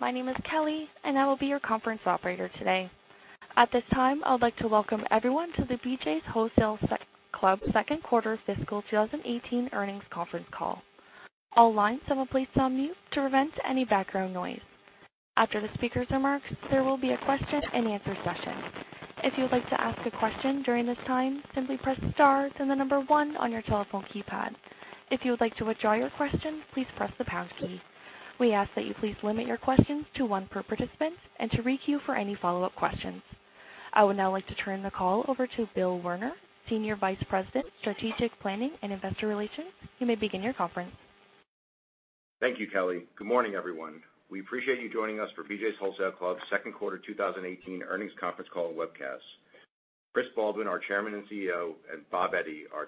My name is Kelly, and I will be your conference operator today. At this time, I would like to welcome everyone to the BJ’s Wholesale Club second quarter fiscal 2018 earnings conference call. All lines have been placed on mute to prevent any background noise. After the speakers' remarks, there will be a question and answer session. If you would like to ask a question during this time, simply press star, then the number one on your telephone keypad. If you would like to withdraw your question, please press the pound key. We ask that you please limit your questions to one per participant and to re-queue for any follow-up questions. I would now like to turn the call over to Bill Werner, Senior Vice President, Strategic Planning and Investor Relations. You may begin your conference. Thank you, Kelly. Good morning, everyone. We appreciate you joining us for BJ’s Wholesale Club second quarter 2018 earnings conference call and webcast. Chris Baldwin, our Chairman and CEO, and Bob Eddy, our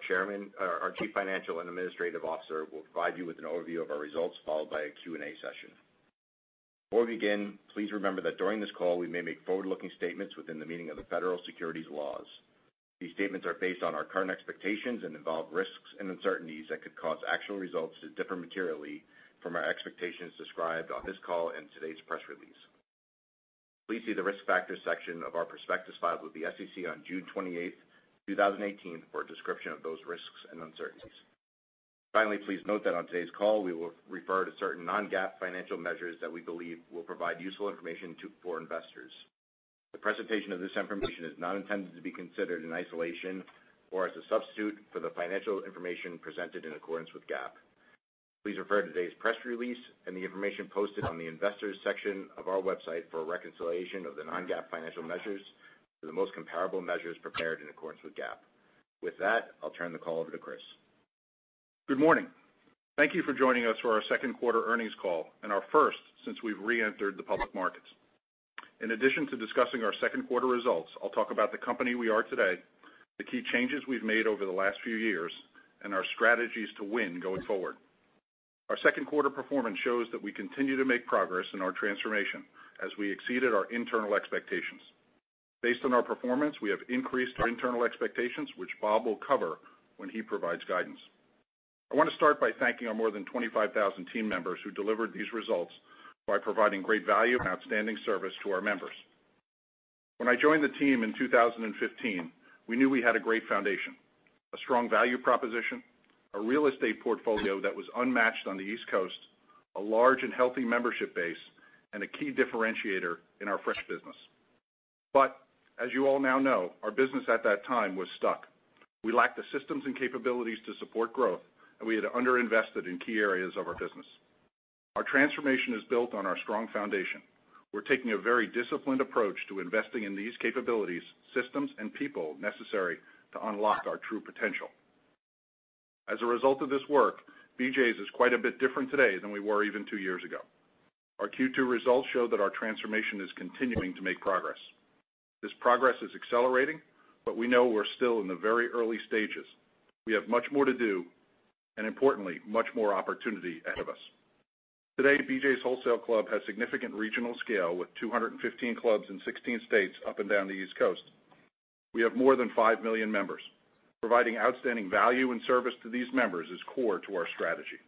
Chief Financial and Administrative Officer, will provide you with an overview of our results, followed by a Q&A session. Before we begin, please remember that during this call, we may make forward-looking statements within the meaning of the federal securities laws. These statements are based on our current expectations and involve risks and uncertainties that could cause actual results to differ materially from our expectations described on this call and today's press release. Please see the Risk Factors section of our prospectus filed with the SEC on June 28th, 2018, for a description of those risks and uncertainties. Finally, please note that on today's call, we will refer to certain non-GAAP financial measures that we believe will provide useful information for investors. The presentation of this information is not intended to be considered in isolation or as a substitute for the financial information presented in accordance with GAAP. Please refer to today's press release and the information posted on the Investors section of our website for a reconciliation of the non-GAAP financial measures to the most comparable measures prepared in accordance with GAAP. With that, I'll turn the call over to Chris. Good morning. Thank you for joining us for our second quarter earnings call and our first since we've reentered the public markets. In addition to discussing our second quarter results, I'll talk about the company we are today, the key changes we've made over the last few years, and our strategies to win going forward. Our second quarter performance shows that we continue to make progress in our transformation as we exceeded our internal expectations. Based on our performance, we have increased our internal expectations, which Bob will cover when he provides guidance. I want to start by thanking our more than 25,000 team members who delivered these results by providing great value and outstanding service to our members. When I joined the team in 2015, we knew we had a great foundation, a strong value proposition, a real estate portfolio that was unmatched on the East Coast, a large and healthy membership base, and a key differentiator in our fresh business. As you all now know, our business at that time was stuck. We lacked the systems and capabilities to support growth, and we had under-invested in key areas of our business. Our transformation is built on our strong foundation. We're taking a very disciplined approach to investing in these capabilities, systems, and people necessary to unlock our true potential. As a result of this work, BJ's is quite a bit different today than we were even two years ago. Our Q2 results show that our transformation is continuing to make progress. This progress is accelerating, but we know we're still in the very early stages. We have much more to do and, importantly, much more opportunity ahead of us. Today, BJ's Wholesale Club has significant regional scale with 215 clubs in 16 states up and down the East Coast. We have more than 5 million members. Providing outstanding value and service to these members is core to our strategy.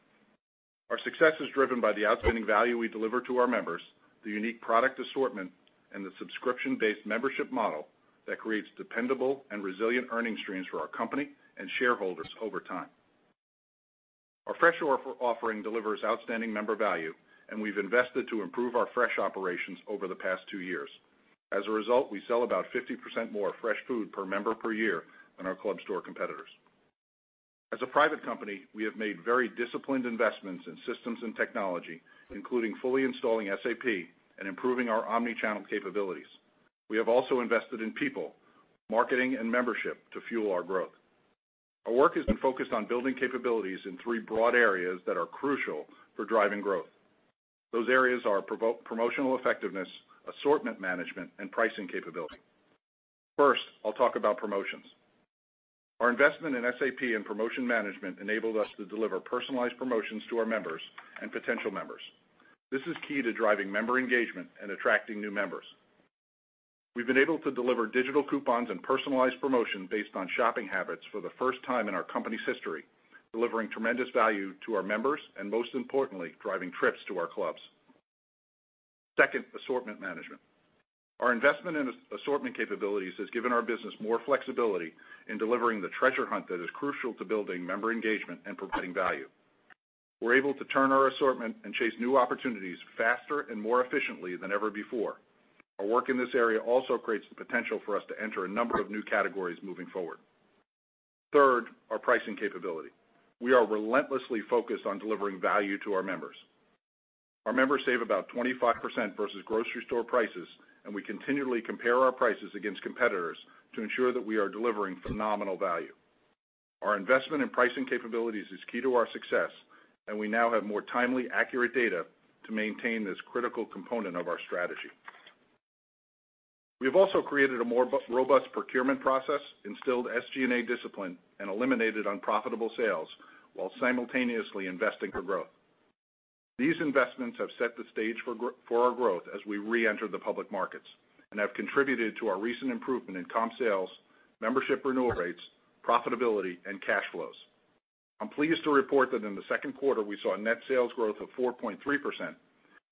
Our success is driven by the outstanding value we deliver to our members, the unique product assortment, and the subscription-based membership model that creates dependable and resilient earning streams for our company and shareholders over time. Our fresh offering delivers outstanding member value, and we've invested to improve our fresh operations over the past two years. As a result, we sell about 50% more fresh food per member per year than our club store competitors. As a private company, we have made very disciplined investments in systems and technology, including fully installing SAP and improving our omni-channel capabilities. We have also invested in people, marketing, and membership to fuel our growth. Our work has been focused on building capabilities in three broad areas that are crucial for driving growth. Those areas are promotional effectiveness, assortment management, and pricing capability. First, I'll talk about promotions. Our investment in SAP and promotion management enabled us to deliver personalized promotions to our members and potential members. This is key to driving member engagement and attracting new members. We've been able to deliver digital coupons and personalized promotion based on shopping habits for the first time in our company's history, delivering tremendous value to our members and, most importantly, driving trips to our clubs. Second, assortment management. Our investment in assortment capabilities has given our business more flexibility in delivering the treasure hunt that is crucial to building member engagement and providing value. We're able to turn our assortment and chase new opportunities faster and more efficiently than ever before. Our work in this area also creates the potential for us to enter a number of new categories moving forward. Third, our pricing capability. We are relentlessly focused on delivering value to our members. Our members save about 25% versus grocery store prices, and we continually compare our prices against competitors to ensure that we are delivering phenomenal value. Our investment in pricing capabilities is key to our success, and we now have more timely, accurate data to maintain this critical component of our strategy. We have also created a more robust procurement process, instilled SG&A discipline, and eliminated unprofitable sales while simultaneously investing for growth. These investments have set the stage for our growth as we reenter the public markets and have contributed to our recent improvement in comp sales, membership renewal rates, profitability, and cash flows. I'm pleased to report that in the second quarter, we saw net sales growth of 4.3%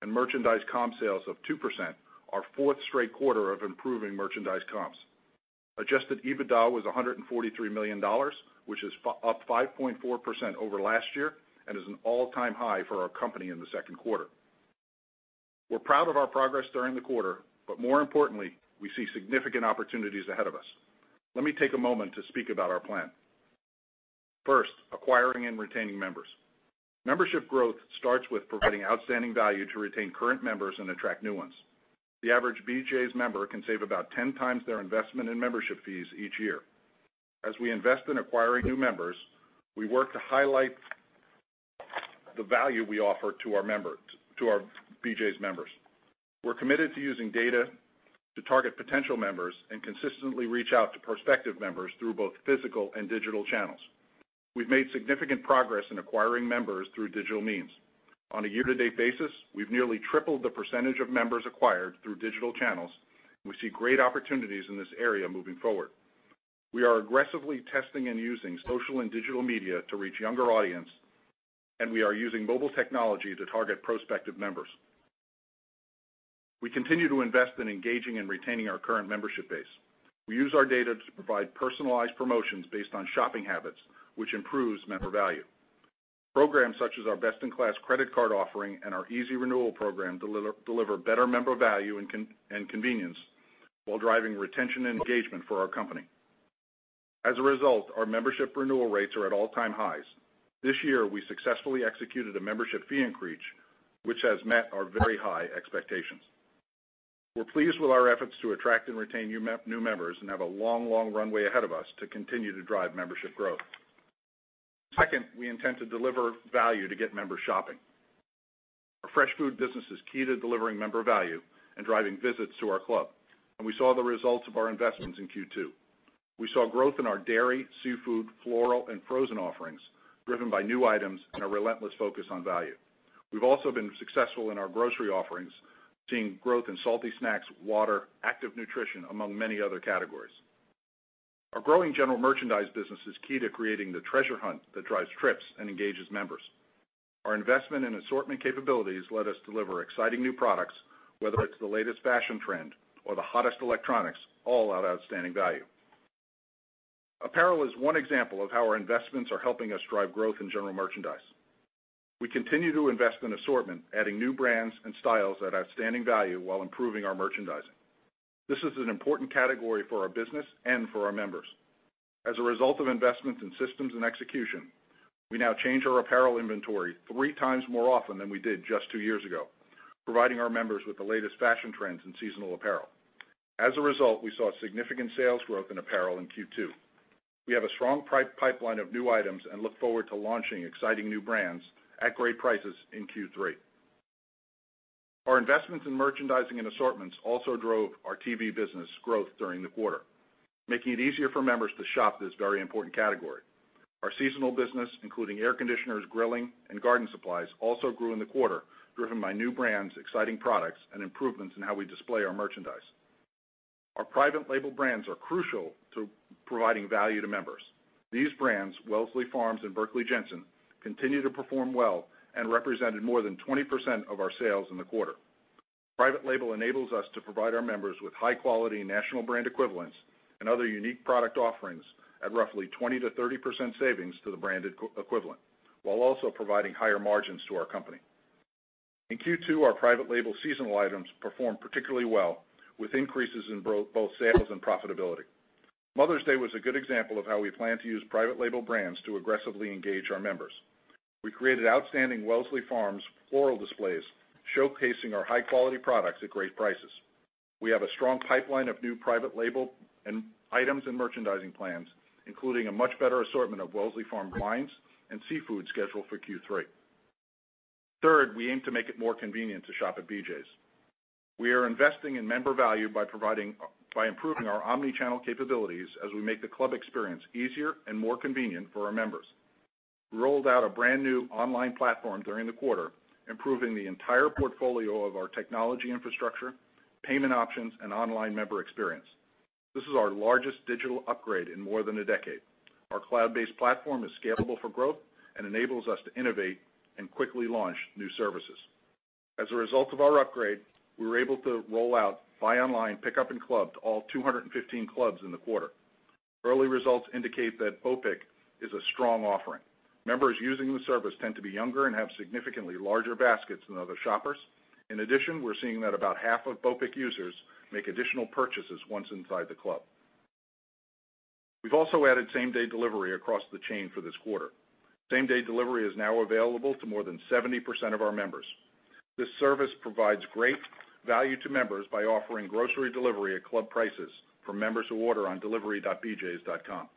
and merchandise comp sales of 2%, our fourth straight quarter of improving merchandise comps. Adjusted EBITDA was $143 million, which is up 5.4% over last year and is an all-time high for our company in the second quarter. We're proud of our progress during the quarter, but more importantly, we see significant opportunities ahead of us. Let me take a moment to speak about our plan. First, acquiring and retaining members. Membership growth starts with providing outstanding value to retain current members and attract new ones. The average BJ's member can save about 10 times their investment in membership fees each year. As we invest in acquiring new members, we work to highlight the value we offer to our BJ's members. We're committed to using data to target potential members and consistently reach out to prospective members through both physical and digital channels. We've made significant progress in acquiring members through digital means. On a year-to-date basis, we've nearly tripled the percentage of members acquired through digital channels. We see great opportunities in this area moving forward. We are aggressively testing and using social and digital media to reach younger audience. We are using mobile technology to target prospective members. We continue to invest in engaging and retaining our current membership base. We use our data to provide personalized promotions based on shopping habits, which improves member value. Programs such as our best-in-class credit card offering and our Easy Renewal program deliver better member value and convenience while driving retention and engagement for our company. As a result, our membership renewal rates are at all-time highs. This year, we successfully executed a membership fee increase, which has met our very high expectations. We're pleased with our efforts to attract and retain new members and have a long runway ahead of us to continue to drive membership growth. Second, we intend to deliver value to get members shopping. Our fresh food business is key to delivering member value and driving visits to our club. We saw the results of our investments in Q2. We saw growth in our dairy, seafood, floral, and frozen offerings, driven by new items and a relentless focus on value. We've also been successful in our grocery offerings, seeing growth in salty snacks, water, active nutrition, among many other categories. Our growing general merchandise business is key to creating the treasure hunt that drives trips and engages members. Our investment in assortment capabilities let us deliver exciting new products, whether it's the latest fashion trend or the hottest electronics, all at outstanding value. Apparel is one example of how our investments are helping us drive growth in general merchandise. We continue to invest in assortment, adding new brands and styles at outstanding value while improving our merchandising. This is an important category for our business and for our members. As a result of investments in systems and execution, we now change our apparel inventory three times more often than we did just two years ago, providing our members with the latest fashion trends in seasonal apparel. As a result, we saw significant sales growth in apparel in Q2. We have a strong pipeline of new items and look forward to launching exciting new brands at great prices in Q3. Our investments in merchandising and assortments also drove our TV business growth during the quarter, making it easier for members to shop this very important category. Our seasonal business, including air conditioners, grilling, and garden supplies, also grew in the quarter, driven by new brands, exciting products, and improvements in how we display our merchandise. Our private label brands are crucial to providing value to members. These brands, Wellsley Farms and Berkley Jensen, continue to perform well and represented more than 20% of our sales in the quarter. Private label enables us to provide our members with high-quality national brand equivalents and other unique product offerings at roughly 20%-30% savings to the branded equivalent, while also providing higher margins to our company. In Q2, our private label seasonal items performed particularly well, with increases in both sales and profitability. Mother's Day was a good example of how we plan to use private label brands to aggressively engage our members. We created outstanding Wellsley Farms floral displays, showcasing our high-quality products at great prices. We have a strong pipeline of new private label items and merchandising plans, including a much better assortment of Wellsley Farms wines and seafood scheduled for Q3. Third, we aim to make it more convenient to shop at BJ's. We are investing in member value by improving our omni-channel capabilities as we make the club experience easier and more convenient for our members. We rolled out a brand-new online platform during the quarter, improving the entire portfolio of our technology infrastructure, payment options, and online member experience. This is our largest digital upgrade in more than a decade. Our cloud-based platform is scalable for growth and enables us to innovate and quickly launch new services. As a result of our upgrade, we were able to roll out Buy Online, Pick Up In-Club to all 215 clubs in the quarter. Early results indicate that BOPIC is a strong offering. Members using the service tend to be younger and have significantly larger baskets than other shoppers. In addition, we're seeing that about half of BOPIC users make additional purchases once inside the club. We've also added same-day delivery across the chain for this quarter. Same-day delivery is now available to more than 70% of our members. This service provides great value to members by offering grocery delivery at club prices for members who order on delivery.bjs.com.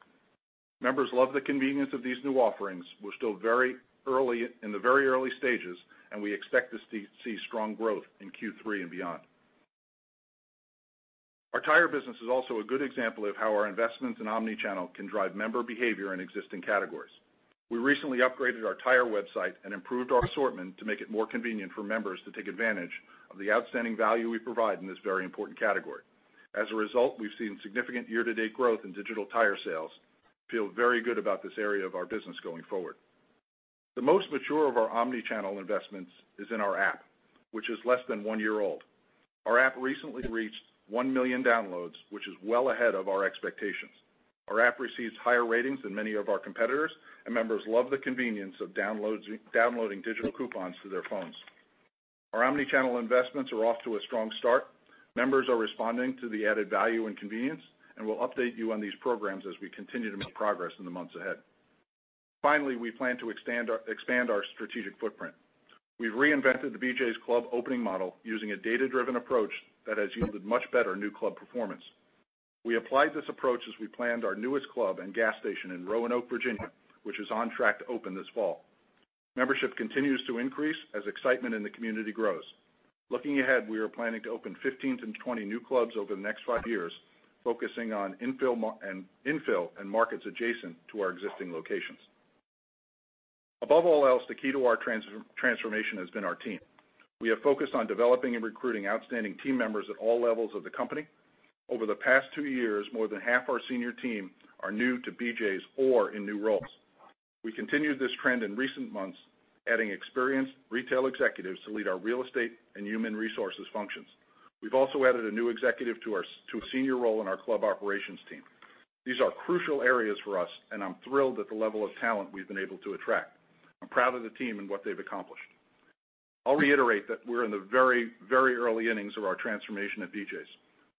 Members love the convenience of these new offerings. We're still in the very early stages, and we expect to see strong growth in Q3 and beyond. Our tire business is also a good example of how our investments in omni-channel can drive member behavior in existing categories. We recently upgraded our tire website and improved our assortment to make it more convenient for members to take advantage of the outstanding value we provide in this very important category. As a result, we've seen significant year-to-date growth in digital tire sales. Feel very good about this area of our business going forward. The most mature of our omni-channel investments is in our app, which is less than one year old. Our app recently reached one million downloads, which is well ahead of our expectations. Our app receives higher ratings than many of our competitors, and members love the convenience of downloading digital coupons to their phones. Our omni-channel investments are off to a strong start. Members are responding to the added value and convenience, and we'll update you on these programs as we continue to make progress in the months ahead. Finally, we plan to expand our strategic footprint. We've reinvented the BJ's Club opening model using a data-driven approach that has yielded much better new club performance. We applied this approach as we planned our newest club and gas station in Roanoke, Virginia, which is on track to open this fall. Membership continues to increase as excitement in the community grows. Looking ahead, we are planning to open 15-20 new clubs over the next five years, focusing on infill and markets adjacent to our existing locations. Above all else, the key to our transformation has been our team. We have focused on developing and recruiting outstanding team members at all levels of the company. Over the past two years, more than half our senior team are new to BJ's or in new roles. We continued this trend in recent months, adding experienced retail executives to lead our real estate and human resources functions. We've also added a new executive to a senior role in our club operations team. These are crucial areas for us, and I'm thrilled at the level of talent we've been able to attract. I'm proud of the team and what they've accomplished. I'll reiterate that we're in the very early innings of our transformation at BJ's.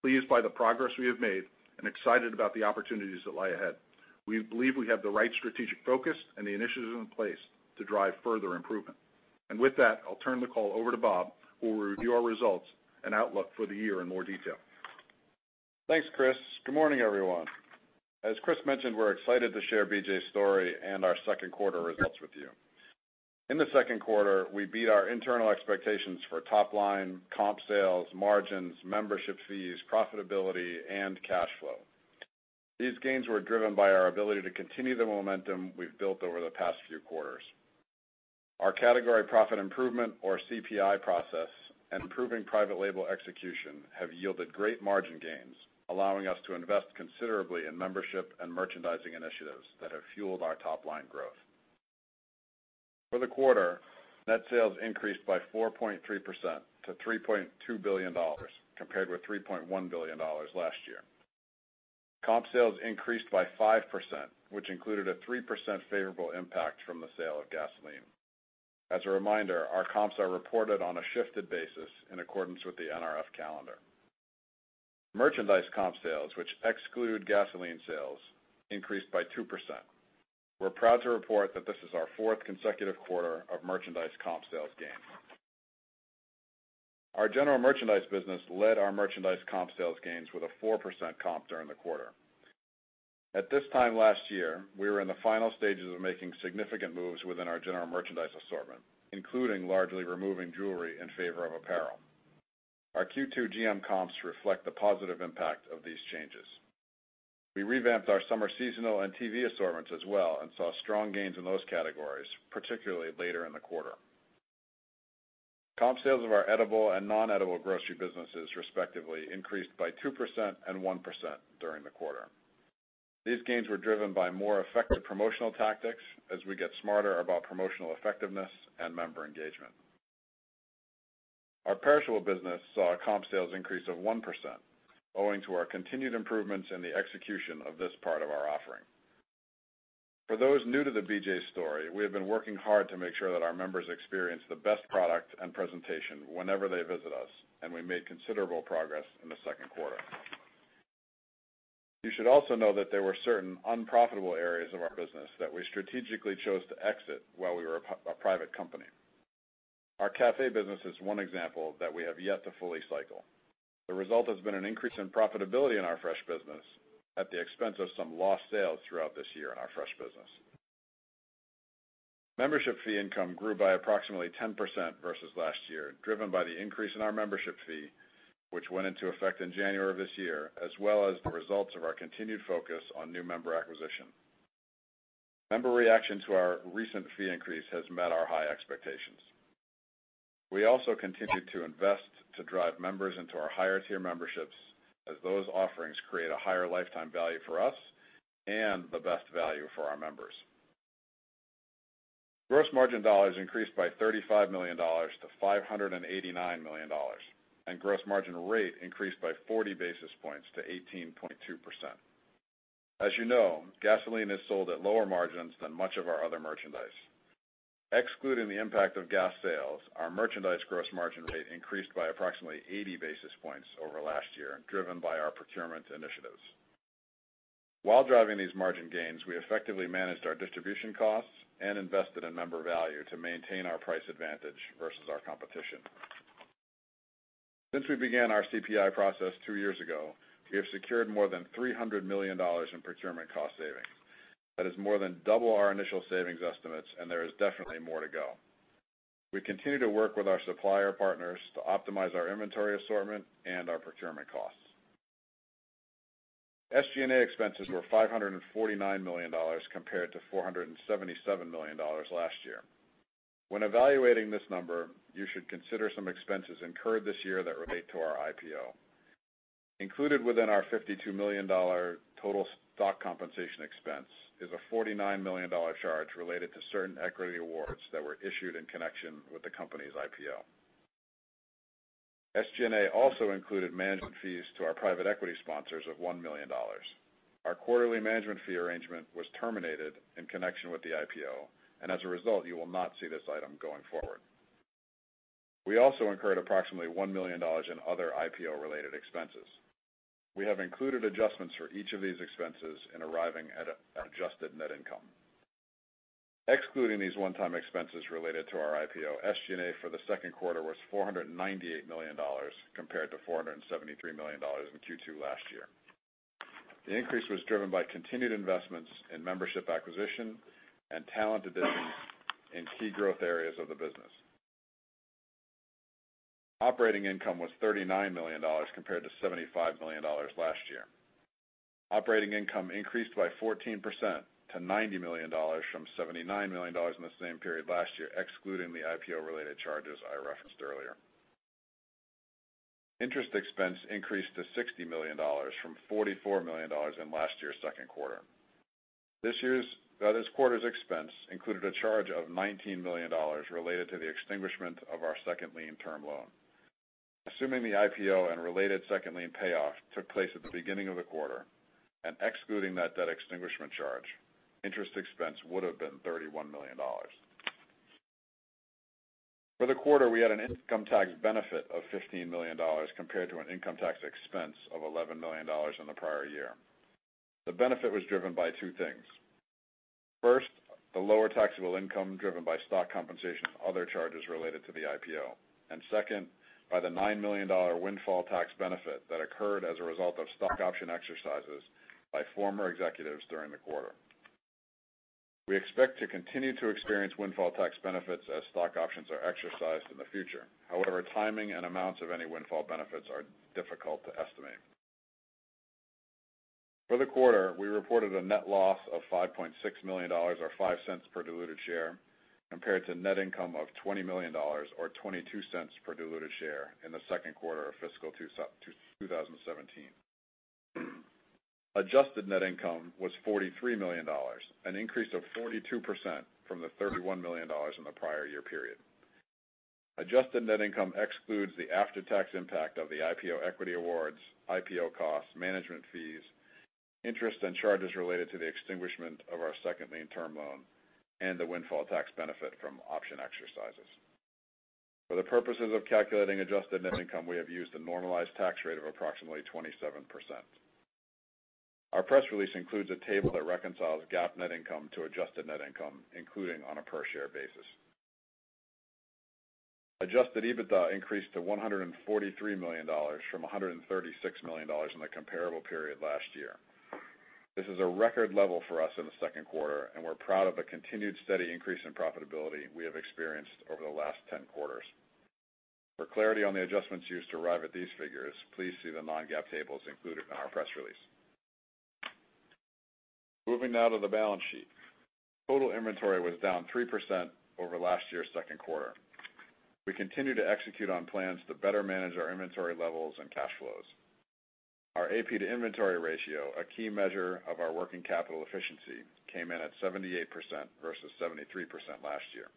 Pleased by the progress we have made and excited about the opportunities that lie ahead. We believe we have the right strategic focus and the initiatives in place to drive further improvement. With that, I'll turn the call over to Bob, who will review our results and outlook for the year in more detail. Thanks, Chris. Good morning, everyone. As Chris mentioned, we're excited to share BJ's story and our second quarter results with you. In the second quarter, we beat our internal expectations for top line comp sales, margins, membership fees, profitability, and cash flow. These gains were driven by our ability to continue the momentum we've built over the past few quarters. Our category profit improvement, or CPI process, and improving private label execution have yielded great margin gains, allowing us to invest considerably in membership and merchandising initiatives that have fueled our top-line growth. For the quarter, net sales increased by 4.3% to $3.2 billion, compared with $3.1 billion last year. Comp sales increased by 5%, which included a 3% favorable impact from the sale of gasoline. As a reminder, our comps are reported on a shifted basis in accordance with the NRF calendar. Merchandise comp sales, which exclude gasoline sales, increased by 2%. We are proud to report that this is our fourth consecutive quarter of merchandise comp sales gains. Our general merchandise business led our merchandise comp sales gains with a 4% comp during the quarter. At this time last year, we were in the final stages of making significant moves within our general merchandise assortment, including largely removing jewelry in favor of apparel. Our Q2 GM comps reflect the positive impact of these changes. We revamped our summer seasonal and TV assortments as well and saw strong gains in those categories, particularly later in the quarter. Comp sales of our edible and non-edible grocery businesses, respectively, increased by 2% and 1% during the quarter. These gains were driven by more effective promotional tactics as we get smarter about promotional effectiveness and member engagement. Our perishable business saw a comp sales increase of 1%, owing to our continued improvements in the execution of this part of our offering. For those new to the BJ's story, we have been working hard to make sure that our members experience the best product and presentation whenever they visit us, and we made considerable progress in the second quarter. You should also know that there were certain unprofitable areas of our business that we strategically chose to exit while we were a private company. Our cafe business is one example that we have yet to fully cycle. The result has been an increase in profitability in our fresh business at the expense of some lost sales throughout this year in our fresh business. Membership fee income grew by approximately 10% versus last year, driven by the increase in our membership fee, which went into effect in January of this year, as well as the results of our continued focus on new member acquisition. Member reaction to our recent fee increase has met our high expectations. We also continue to invest to drive members into our higher-tier memberships as those offerings create a higher lifetime value for us and the best value for our members. Gross margin dollars increased by $35 million to $589 million, and gross margin rate increased by 40 basis points to 18.2%. As you know, gasoline is sold at lower margins than much of our other merchandise. Excluding the impact of gas sales, our merchandise gross margin rate increased by approximately 80 basis points over last year, driven by our procurement initiatives. While driving these margin gains, we effectively managed our distribution costs and invested in member value to maintain our price advantage versus our competition. Since we began our CPI process two years ago, we have secured more than $300 million in procurement cost savings. That is more than double our initial savings estimates, and there is definitely more to go. We continue to work with our supplier partners to optimize our inventory assortment and our procurement costs. SG&A expenses were $549 million compared to $477 million last year. When evaluating this number, you should consider some expenses incurred this year that relate to our IPO. Included within our $52 million total stock compensation expense is a $49 million charge related to certain equity awards that were issued in connection with the company's IPO. SG&A also included management fees to our private equity sponsors of $1 million. Our quarterly management fee arrangement was terminated in connection with the IPO, as a result, you will not see this item going forward. We also incurred approximately $1 million in other IPO-related expenses. We have included adjustments for each of these expenses in arriving at adjusted net income. Excluding these one-time expenses related to our IPO, SG&A for the second quarter was $498 million, compared to $473 million in Q2 last year. The increase was driven by continued investments in membership acquisition and talent additions in key growth areas of the business. Operating income was $39 million compared to $75 million last year. Operating income increased by 14% to $90 million from $79 million in the same period last year, excluding the IPO-related charges I referenced earlier. Interest expense increased to $60 million from $44 million in last year's second quarter. This quarter's expense included a charge of $19 million related to the extinguishment of our second lien term loan. Assuming the IPO and related second lien payoff took place at the beginning of the quarter, excluding that debt extinguishment charge, interest expense would have been $31 million. For the quarter, we had an income tax benefit of $15 million compared to an income tax expense of $11 million in the prior year. The benefit was driven by two things. First, the lower taxable income driven by stock compensation and other charges related to the IPO. Second, by the $9 million windfall tax benefit that occurred as a result of stock option exercises by former executives during the quarter. We expect to continue to experience windfall tax benefits as stock options are exercised in the future. However, timing and amounts of any windfall benefits are difficult to estimate. For the quarter, we reported a net loss of $5.6 million or $0.05 per diluted share compared to net income of $20 million or $0.22 per diluted share in the second quarter of fiscal 2017. Adjusted net income was $43 million, an increase of 42% from the $31 million in the prior year period. Adjusted net income excludes the after-tax impact of the IPO equity awards, IPO costs, management fees, interest and charges related to the extinguishment of our second lien term loan, the windfall tax benefit from option exercises. For the purposes of calculating adjusted net income, we have used a normalized tax rate of approximately 27%. Our press release includes a table that reconciles GAAP net income to adjusted net income, including on a per-share basis. Adjusted EBITDA increased to $143 million from $136 million in the comparable period last year. This is a record level for us in the second quarter, we're proud of the continued steady increase in profitability we have experienced over the last 10 quarters. For clarity on the adjustments used to arrive at these figures, please see the non-GAAP tables included in our press release. Moving now to the balance sheet. Total inventory was down 3% over last year's second quarter. We continue to execute on plans to better manage our inventory levels and cash flows. Our AP to inventory ratio, a key measure of our working capital efficiency, came in at 78% versus 73% last year.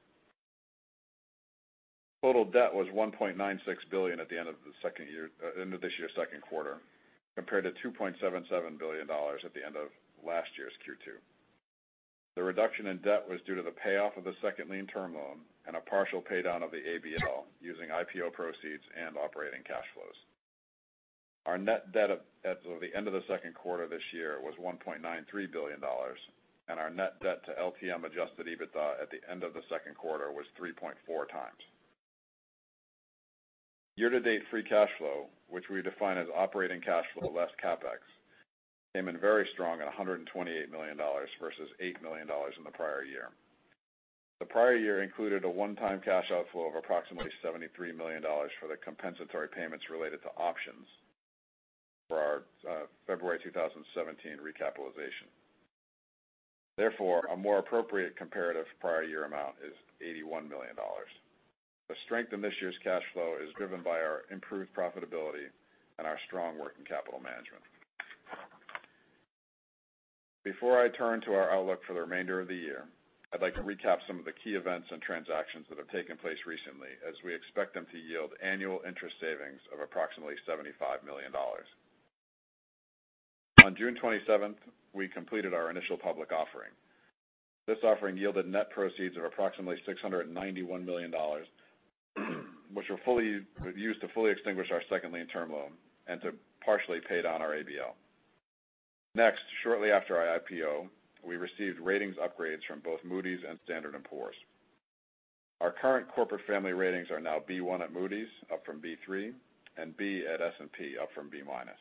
Total debt was $1.96 billion at the end of this year's second quarter, compared to $2.77 billion at the end of last year's Q2. The reduction in debt was due to the payoff of the second lien term loan and a partial paydown of the ABL using IPO proceeds and operating cash flows. Our net debt at the end of the second quarter this year was $1.93 billion, and our net debt to LTM adjusted EBITDA at the end of the second quarter was 3.4 times. Year-to-date free cash flow, which we define as operating cash flow less CapEx, came in very strong at $128 million versus $8 million in the prior year. The prior year included a one-time cash outflow of approximately $73 million for the compensatory payments related to options for our February 2017 recapitalization. Therefore, a more appropriate comparative prior year amount is $81 million. The strength in this year's cash flow is driven by our improved profitability and our strong working capital management. Before I turn to our outlook for the remainder of the year, I'd like to recap some of the key events and transactions that have taken place recently, as we expect them to yield annual interest savings of approximately $75 million. On June 27th, we completed our initial public offering. This offering yielded net proceeds of approximately $691 million, which were used to fully extinguish our second lien term loan and to partially pay down our ABL. Shortly after our IPO, we received ratings upgrades from both Moody's and Standard & Poor's. Our current corporate family ratings are now B1 at Moody's, up from B3, and B at S&P, up from B-minus.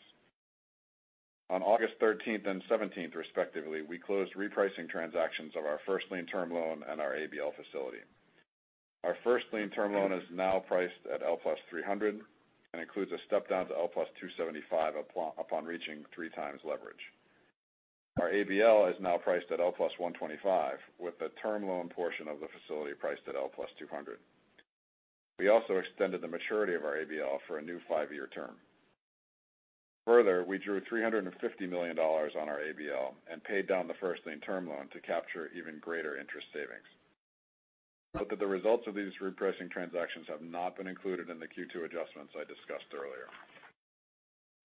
On August 13th and 17th respectively, we closed repricing transactions of our first lien term loan and our ABL facility. Our first lien term loan is now priced at L plus 300 and includes a step-down to L plus 275 upon reaching three times leverage. Our ABL is now priced at L plus 125, with the term loan portion of the facility priced at L plus 200. We also extended the maturity of our ABL for a new five-year term. Further, we drew $350 million on our ABL and paid down the first lien term loan to capture even greater interest savings. Note that the results of these repricing transactions have not been included in the Q2 adjustments I discussed earlier.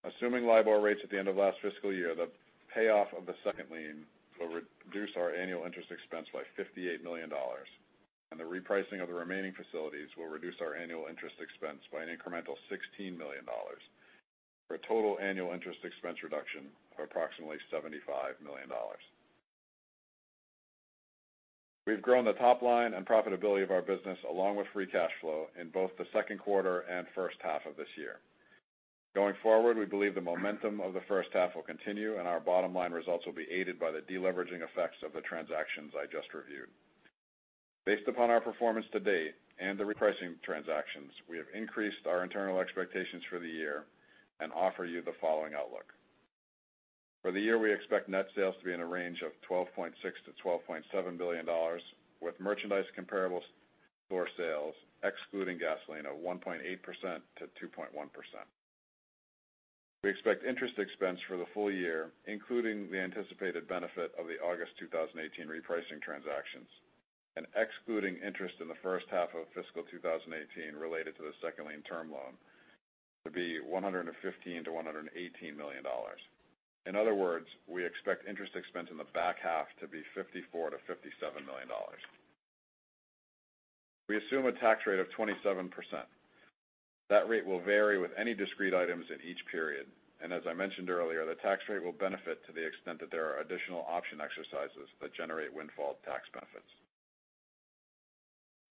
Assuming LIBOR rates at the end of last fiscal year, the payoff of the second lien will reduce our annual interest expense by $58 million, and the repricing of the remaining facilities will reduce our annual interest expense by an incremental $16 million, for a total annual interest expense reduction of approximately $75 million. We've grown the top line and profitability of our business, along with free cash flow, in both the second quarter and first half of this year. Going forward, we believe the momentum of the first half will continue, and our bottom-line results will be aided by the de-leveraging effects of the transactions I just reviewed. Based upon our performance to date and the repricing transactions, we have increased our internal expectations for the year and offer you the following outlook. For the year, we expect net sales to be in a range of $12.6 billion-$12.7 billion, with merchandise comparable store sales excluding gasoline of 1.8%-2.1%. We expect interest expense for the full year, including the anticipated benefit of the August 2018 repricing transactions and excluding interest in the first half of fiscal 2018 related to the second lien term loan, to be $115 million-$118 million. In other words, we expect interest expense in the back half to be $54 million-$57 million. We assume a tax rate of 27%. That rate will vary with any discrete items in each period. As I mentioned earlier, the tax rate will benefit to the extent that there are additional option exercises that generate windfall tax benefits.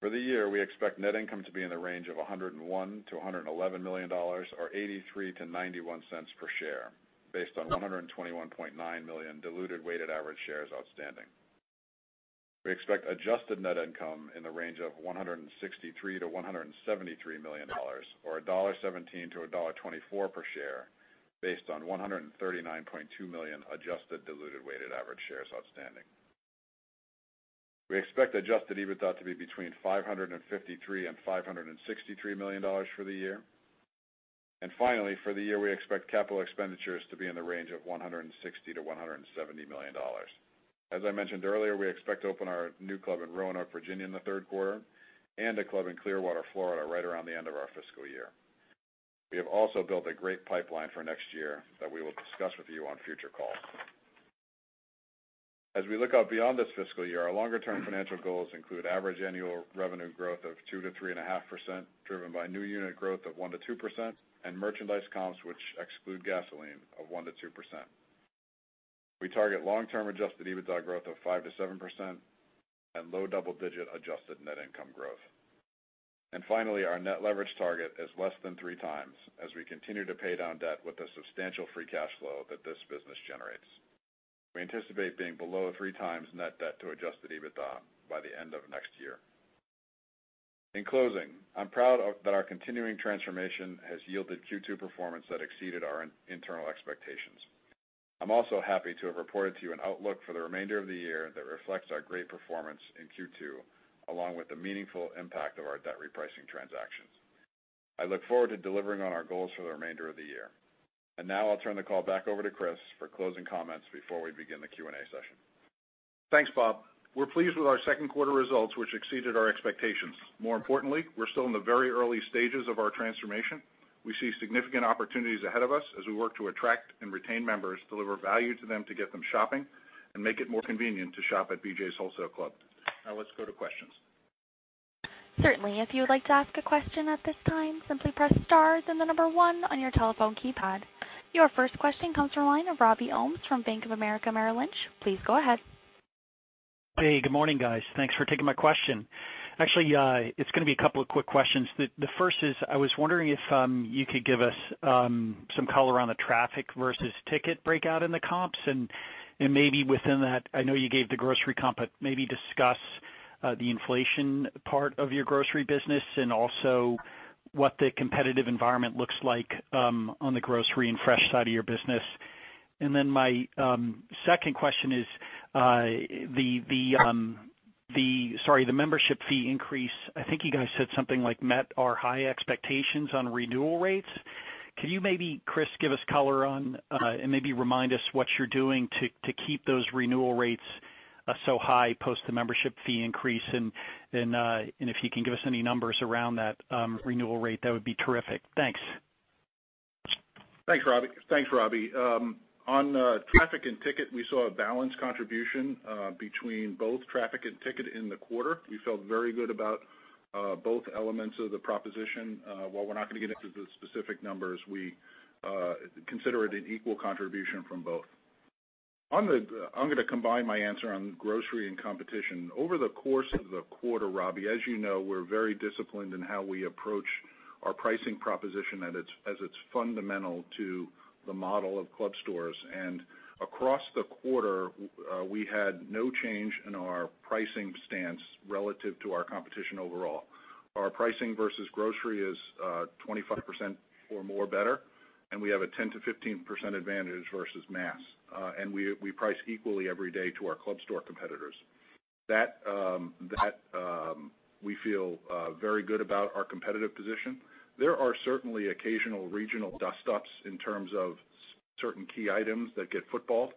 For the year, we expect net income to be in the range of $101 million-$111 million or $0.83-$0.91 per share based on 121.9 million diluted weighted average shares outstanding. We expect adjusted net income in the range of $163 million-$173 million, or $1.17-$1.24 per share, based on 139.2 million adjusted diluted weighted average shares outstanding. We expect adjusted EBITDA to be between $553 million and $563 million for the year. Finally, for the year, we expect capital expenditures to be in the range of $160 million-$170 million. As I mentioned earlier, we expect to open our new club in Roanoke, Virginia in the third quarter and a club in Clearwater, Florida right around the end of our fiscal year. We have also built a great pipeline for next year that we will discuss with you on future calls. As we look out beyond this fiscal year, our longer-term financial goals include average annual revenue growth of 2%-3.5%, driven by new unit growth of 1%-2%, and merchandise comps, which exclude gasoline, of 1%-2%. We target long-term adjusted EBITDA growth of 5%-7% and low double-digit adjusted net income growth. Finally, our net leverage target is less than three times as we continue to pay down debt with the substantial free cash flow that this business generates. We anticipate being below three times net debt to adjusted EBITDA by the end of next year. In closing, I'm proud that our continuing transformation has yielded Q2 performance that exceeded our internal expectations. I'm also happy to have reported to you an outlook for the remainder of the year that reflects our great performance in Q2, along with the meaningful impact of our debt repricing transactions. I look forward to delivering on our goals for the remainder of the year. Now I'll turn the call back over to Chris for closing comments before we begin the Q&A session. Thanks, Bob. We're pleased with our second quarter results, which exceeded our expectations. More importantly, we're still in the very early stages of our transformation. We see significant opportunities ahead of us as we work to attract and retain members, deliver value to them to get them shopping, and make it more convenient to shop at BJ's Wholesale Club. Now let's go to questions. Certainly. If you would like to ask a question at this time, simply press star then the number 1 on your telephone keypad. Your first question comes from the line of Robert Ohmes from Bank of America Merrill Lynch. Please go ahead. Hey, good morning, guys. Thanks for taking my question. Actually, it's going to be a couple of quick questions. The first is, I was wondering if you could give us some color on the traffic versus ticket breakout in the comps, and maybe within that, I know you gave the grocery comp, but maybe discuss the inflation part of your grocery business and also what the competitive environment looks like on the grocery and fresh side of your business. Then my second question is the membership fee increase, I think you guys said something like met our high expectations on renewal rates. Can you maybe, Chris, give us color on and maybe remind us what you're doing to keep those renewal rates so high post the membership fee increase? If you can give us any numbers around that renewal rate, that would be terrific. Thanks. Thanks, Robbie. On traffic and ticket, we saw a balanced contribution between both traffic and ticket in the quarter. We felt very good about both elements of the proposition. While we're not going to get into the specific numbers, we consider it an equal contribution from both. I'm going to combine my answer on grocery and competition. Over the course of the quarter, Robbie, as you know, we're very disciplined in how we approach our pricing proposition as it's fundamental to the model of club stores. Across the quarter, we had no change in our pricing stance relative to our competition overall. Our pricing versus grocery is 25% or more better, and we have a 10%-15% advantage versus mass. We price equally every day to our club store competitors. We feel very good about our competitive position. There are certainly occasional regional dust-ups in terms of certain key items that get footballed.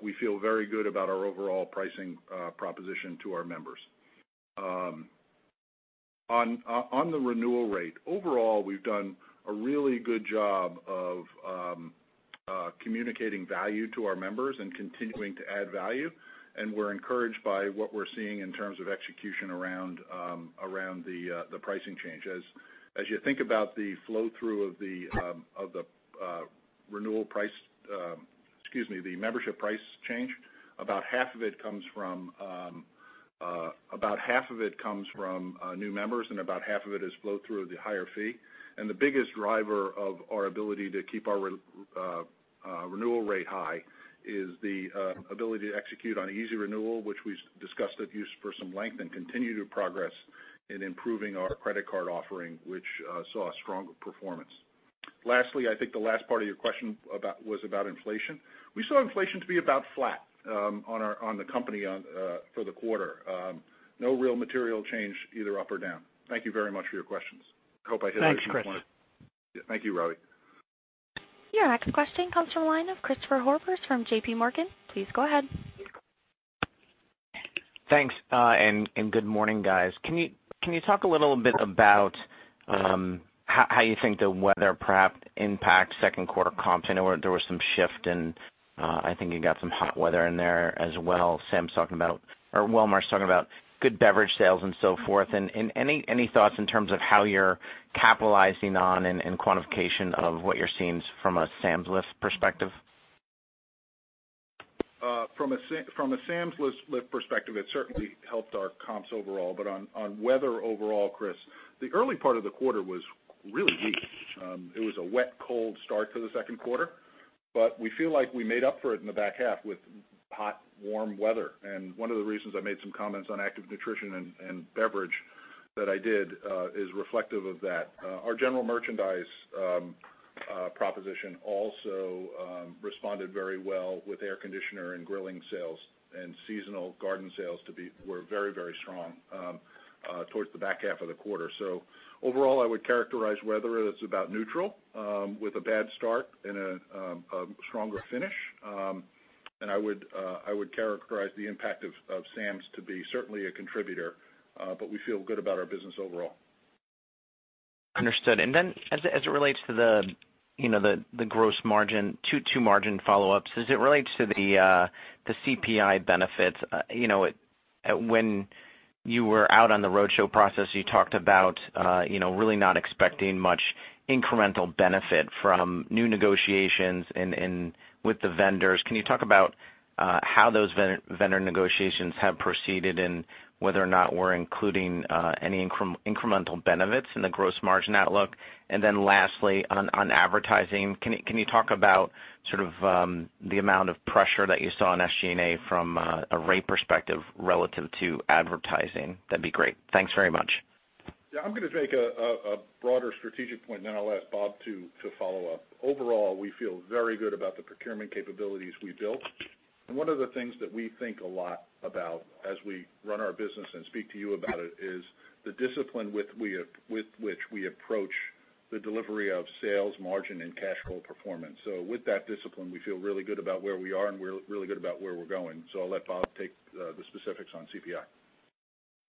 We feel very good about our overall pricing proposition to our members. On the renewal rate, overall, we've done a really good job of communicating value to our members and continuing to add value. We're encouraged by what we're seeing in terms of execution around the pricing changes. As you think about the flow-through of the renewal price, excuse me, the membership price change, about half of it comes from new members, and about half of it is flow-through of the higher fee. The biggest driver of our ability to keep our renewal rate high is the ability to execute on Easy Renewal, which we discussed at use for some length and continue to progress in improving our credit card offering, which saw a strong performance. Lastly, I think the last part of your question was about inflation. We saw inflation to be about flat on the company for the quarter. No real material change either up or down. Thank you very much for your questions. Hope I hit everything. Thanks, Chris. Thank you, Robbie. Your next question comes from the line of Christopher Horvers from JPMorgan. Please go ahead. Thanks, good morning, guys. Can you talk a little bit about how you think the weather perhaps impacts second quarter comps? I know there was some shift and I think you got some hot weather in there as well. Sam's talking about, or Walmart's talking about good beverage sales and so forth. Any thoughts in terms of how you're capitalizing on and quantification of what you're seeing from a Sam's lift perspective? From a Sam's lift perspective, it certainly helped our comps overall. On weather overall, Chris, the early part of the quarter was really weak. It was a wet, cold start to the second quarter, but we feel like we made up for it in the back half with hot, warm weather. One of the reasons I made some comments on active nutrition and beverage that I did is reflective of that. Our general merchandise proposition also responded very well with air conditioner and grilling sales. Seasonal garden sales were very strong towards the back half of the quarter. Overall, I would characterize weather as about neutral with a bad start and a stronger finish. I would characterize the impact of Sam's to be certainly a contributor. We feel good about our business overall. Understood. As it relates to the gross margin, two margin follow-ups. As it relates to the CPI benefits, when you were out on the roadshow process, you talked about really not expecting much incremental benefit from new negotiations with the vendors. Can you talk about how those vendor negotiations have proceeded and whether or not we're including any incremental benefits in the gross margin outlook? Lastly, on advertising, can you talk about the amount of pressure that you saw in SG&A from a rate perspective relative to advertising? That'd be great. Thanks very much. Yeah, I'm going to make a broader strategic point, and then I'll ask Bob to follow up. Overall, we feel very good about the procurement capabilities we built. One of the things that we think a lot about as we run our business and speak to you about it is the discipline with which we approach the delivery of sales margin and cash flow performance. With that discipline, we feel really good about where we are, and we're really good about where we're going. I'll let Bob take the specifics on CPI.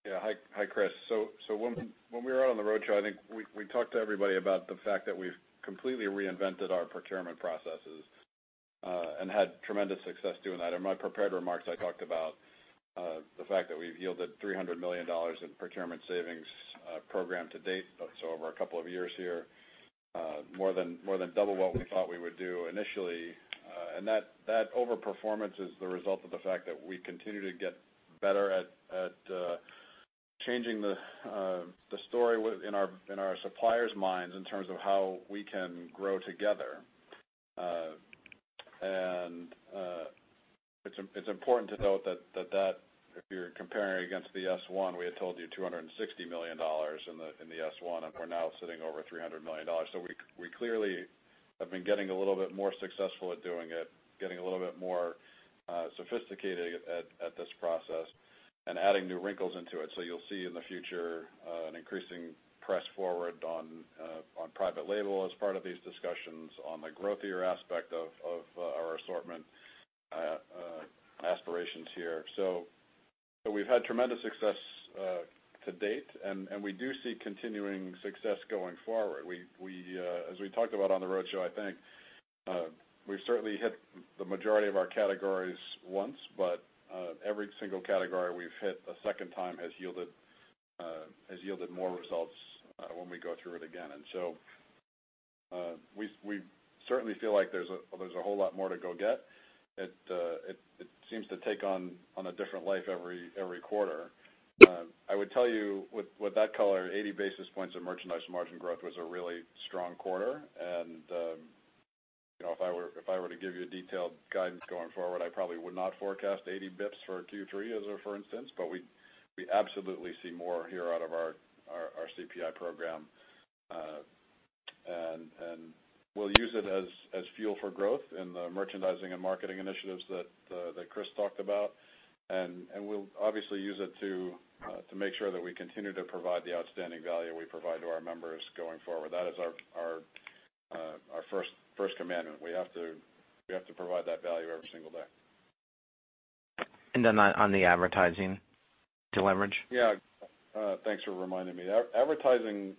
Yeah. Hi, Chris. When we were out on the roadshow, I think we talked to everybody about the fact that we've completely reinvented our procurement processes, and had tremendous success doing that. In my prepared remarks, I talked about the fact that we've yielded $300 million in procurement savings program to date, so over a couple of years here. More than double what we thought we would do initially. That over-performance is the result of the fact that we continue to get better at changing the story in our suppliers' minds in terms of how we can grow together. It's important to note that if you're comparing against the S-1, we had told you $260 million in the S-1, and we're now sitting over $300 million. We clearly have been getting a little bit more successful at doing it, getting a little bit more sophisticated at this process, and adding new wrinkles into it. You'll see in the future an increasing press forward on private label as part of these discussions on the growthier aspect of our assortment aspirations here. We've had tremendous success to date, and we do see continuing success going forward. As we talked about on the roadshow, I think, we've certainly hit the majority of our categories once, but every single category we've hit a second time has yielded more results when we go through it again. And so we certainly feel like there's a whole lot more to go get. It seems to take on a different life every quarter. I would tell you, with that color, 80 basis points of merchandise margin growth was a really strong quarter. If I were to give you a detailed guidance going forward, I probably would not forecast 80 bips for Q3, for instance. We absolutely see more here out of our CPI program. We'll use it as fuel for growth in the merchandising and marketing initiatives that Chris talked about. We'll obviously use it to make sure that we continue to provide the outstanding value we provide to our members going forward. That is our first commandment. We have to provide that value every single day. On the advertising deleverage. Yeah. Thanks for reminding me. Advertising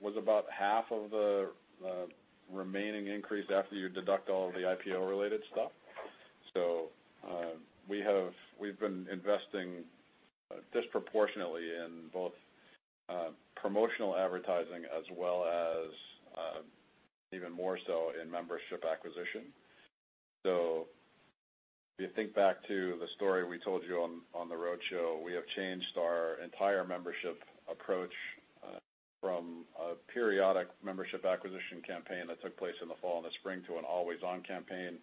was about half of the remaining increase after you deduct all the IPO-related stuff. We've been investing disproportionately in both promotional advertising as well as even more so in membership acquisition. If you think back to the story we told you on the roadshow, we have changed our entire membership approach from a periodic membership acquisition campaign that took place in the fall and the spring to an always-on campaign.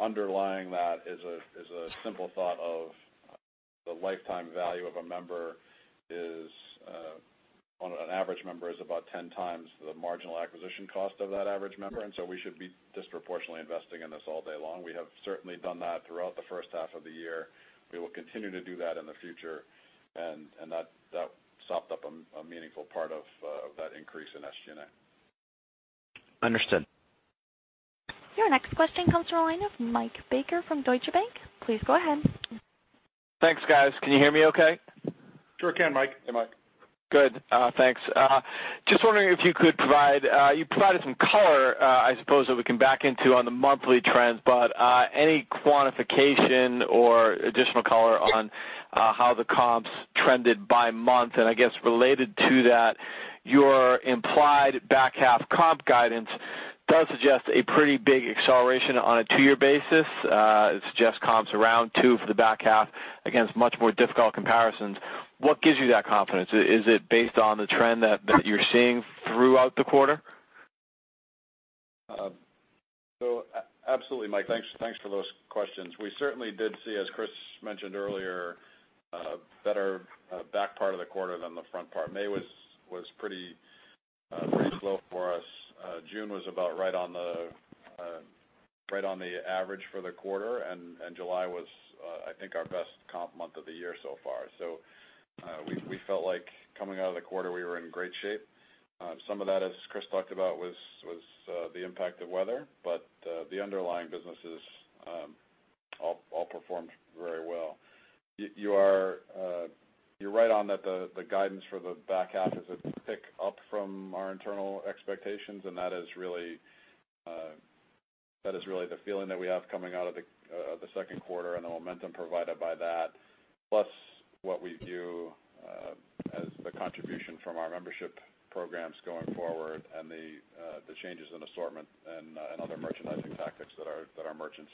Underlying that is a simple thought of the lifetime value of an average member is about 10 times the marginal acquisition cost of that average member. We should be disproportionately investing in this all day long. We have certainly done that throughout the first half of the year. We will continue to do that in the future, and that sopped up a meaningful part of that increase in SG&A. Understood. Your next question comes from the line of Michael Baker from Deutsche Bank. Please go ahead. Thanks, guys. Can you hear me okay? Sure can, Mike. Hey, Mike. Good, thanks. Just wondering if you could provide You provided some color, I suppose, that we can back into on the monthly trends, but any quantification or additional color on how the comps trended by month? I guess related to that, your implied back half comp guidance does suggest a pretty big acceleration on a two-year basis. It suggests comps around two for the back half against much more difficult comparisons. What gives you that confidence? Is it based on the trend that you're seeing throughout the quarter? Absolutely, Mike, thanks for those questions. We certainly did see, as Chris mentioned earlier, a better back part of the quarter than the front part. May was pretty slow for us. June was about right on the average for the quarter, and July was, I think, our best comp month of the year so far. We felt like coming out of the quarter, we were in great shape. Some of that, as Chris talked about, was the impact of weather, but the underlying businesses all performed very well. You're right on that the guidance for the back half is a pick-up from our internal expectations, and that is really the feeling that we have coming out of the second quarter and the momentum provided by that. What we view as the contribution from our membership programs going forward and the changes in assortment and other merchandising tactics that our merchants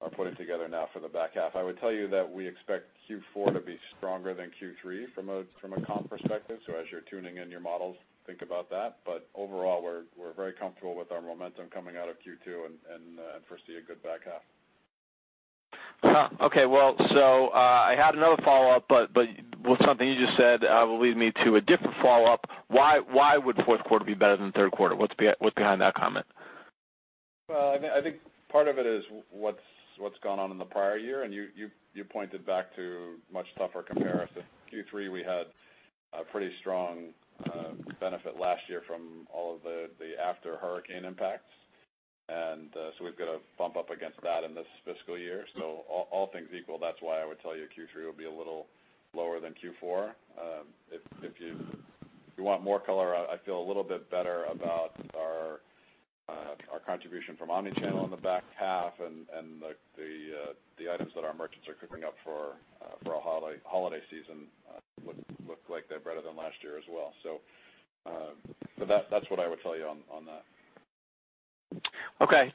are putting together now for the back half. I would tell you that we expect Q4 to be stronger than Q3 from a comp perspective. As you're tuning in your models, think about that. Overall, we're very comfortable with our momentum coming out of Q2 and foresee a good back half. Well, I had another follow-up, with something you just said will lead me to a different follow-up. Why would fourth quarter be better than third quarter? What's behind that comment? Well, I think part of it is what's gone on in the prior year, you pointed back to much tougher comparison. Q3, we had a pretty strong benefit last year from all of the after hurricane impacts. We've got to bump up against that in this fiscal year. All things equal, that's why I would tell you Q3 will be a little lower than Q4. If you want more color, I feel a little bit better about our contribution from omni-channel in the back half and the items that our merchants are cooking up for a holiday season look like they're better than last year as well. That's what I would tell you on that.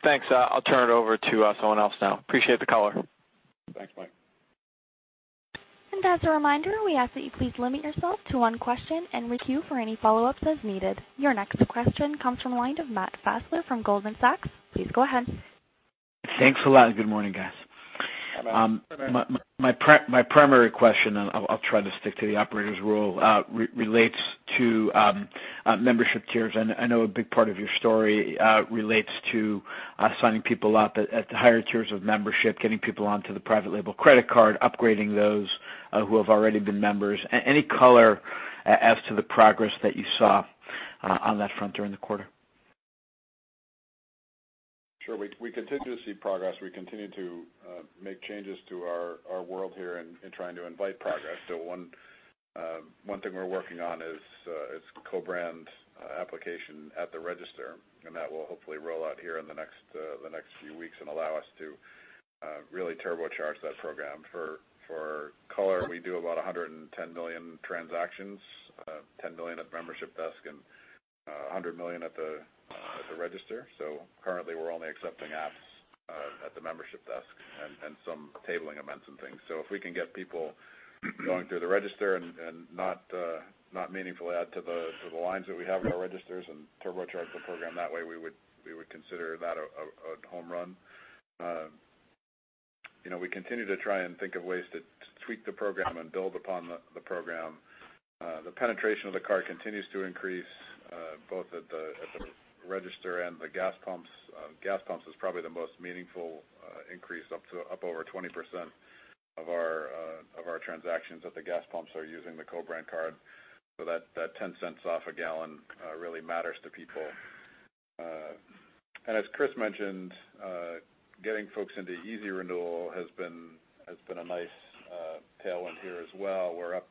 Thanks. I'll turn it over to someone else now. Appreciate the color. Thanks, Mike. As a reminder, we ask that you please limit yourself to one question and queue for any follow-ups as needed. Your next question comes from the line of Matthew Fassler from Goldman Sachs. Please go ahead. Thanks a lot. Good morning, guys. Hi, Matt. Good morning. My primary question, I'll try to stick to the operator's rule, relates to membership tiers. I know a big part of your story relates to signing people up at the higher tiers of membership, getting people onto the private label credit card, upgrading those who have already been members. Any color as to the progress that you saw on that front during the quarter? Sure. We continue to see progress. We continue to make changes to our world here in trying to invite progress. One thing we're working on is co-brand application at the register, and that will hopefully roll out here in the next few weeks and allow us to really turbocharge that program. For color, we do about 110 million transactions, 10 million at the membership desk, and 100 million at the register. Currently we're only accepting apps at the membership desk and some tabling events and things. If we can get people going through the register and not meaningfully add to the lines that we have in our registers and turbocharge the program that way, we would consider that a home run. We continue to try and think of ways to tweak the program and build upon the program. The penetration of the card continues to increase both at the register and the gas pumps. Gas pumps is probably the most meaningful increase, up over 20% of our transactions at the gas pumps are using the co-brand card. That $0.10 off a gallon really matters to people. As Chris mentioned, getting folks into Easy Renewal has been a nice tailwind here as well. We're up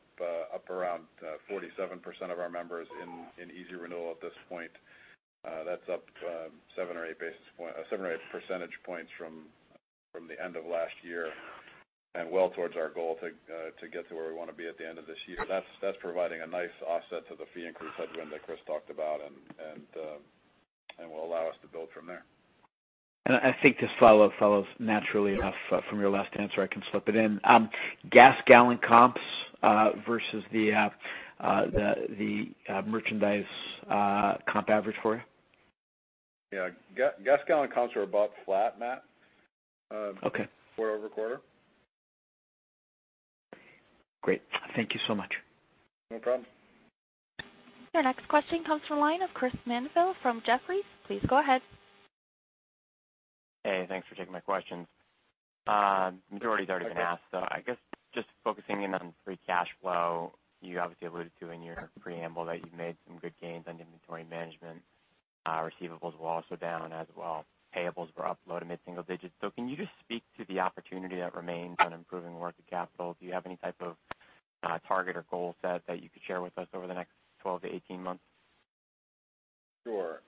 around 47% of our members in Easy Renewal at this point. That's up seven or eight percentage points from the end of last year and well towards our goal to get to where we want to be at the end of this year. That's providing a nice offset to the fee increase headwind that Chris talked about and will allow us to build from there. I think this follow-up follows naturally enough from your last answer, I can slip it in. Gas gallon comps versus the merchandise comp average for you. Yeah. Gas gallon comps are about flat, Matt. Okay Quarter-over-quarter. Great. Thank you so much. No problem. Your next question comes from the line of Christopher Mandeville from Jefferies. Please go ahead. Hey, thanks for taking my questions. Majority's already been asked. I guess just focusing in on free cash flow, you obviously alluded to in your preamble that you've made some good gains on inventory management. Receivables were also down as well. Payables were up low to mid single digits. Can you just speak to the opportunity that remains on improving working capital? Do you have any type of target or goal set that you could share with us over the next 12 to 18 months? Sure.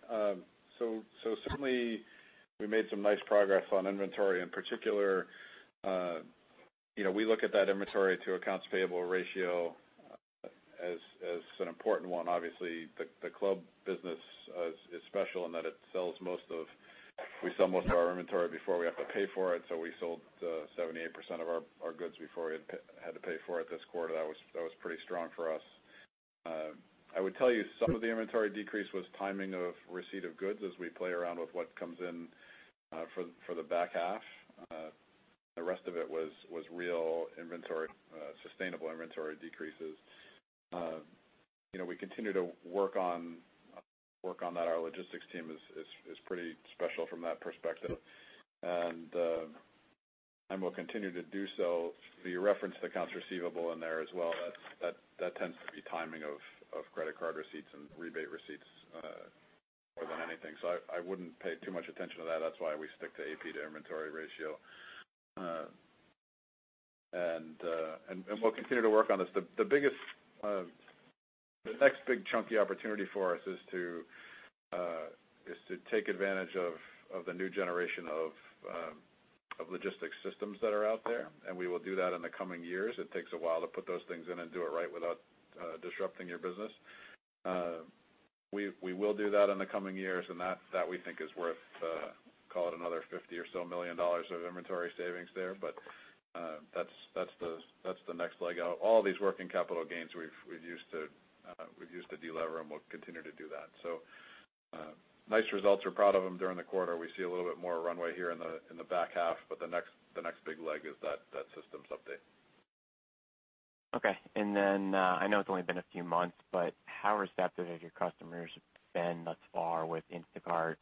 Certainly, we made some nice progress on inventory in particular. We look at that inventory to accounts payable ratio as an important one. Obviously, the club business is special in that we sell most of our inventory before we have to pay for it. We sold 78% of our goods before we had to pay for it this quarter. That was pretty strong for us. I would tell you some of the inventory decrease was timing of receipt of goods as we play around with what comes in for the back half. The rest of it was real sustainable inventory decreases. We continue to work on that. Our logistics team is pretty special from that perspective. We'll continue to do so. You referenced accounts receivable in there as well. That tends to be timing of credit card receipts and rebate receipts more than anything. I wouldn't pay too much attention to that. That's why we stick to AP to inventory ratio. We'll continue to work on this. The next big chunky opportunity for us is to take advantage of the new generation of logistics systems that are out there, and we will do that in the coming years. It takes a while to put those things in and do it right without disrupting your business. We will do that in the coming years, and that we think is worth, call it another $50 or so million of inventory savings there. That's the next leg out. All these working capital gains we've used to delever, and we'll continue to do that. Nice results. We're proud of them during the quarter. We see a little bit more runway here in the back half, but the next big leg is that systems update. Okay. I know it's only been a few months, but how receptive have your customers been thus far with Instacart?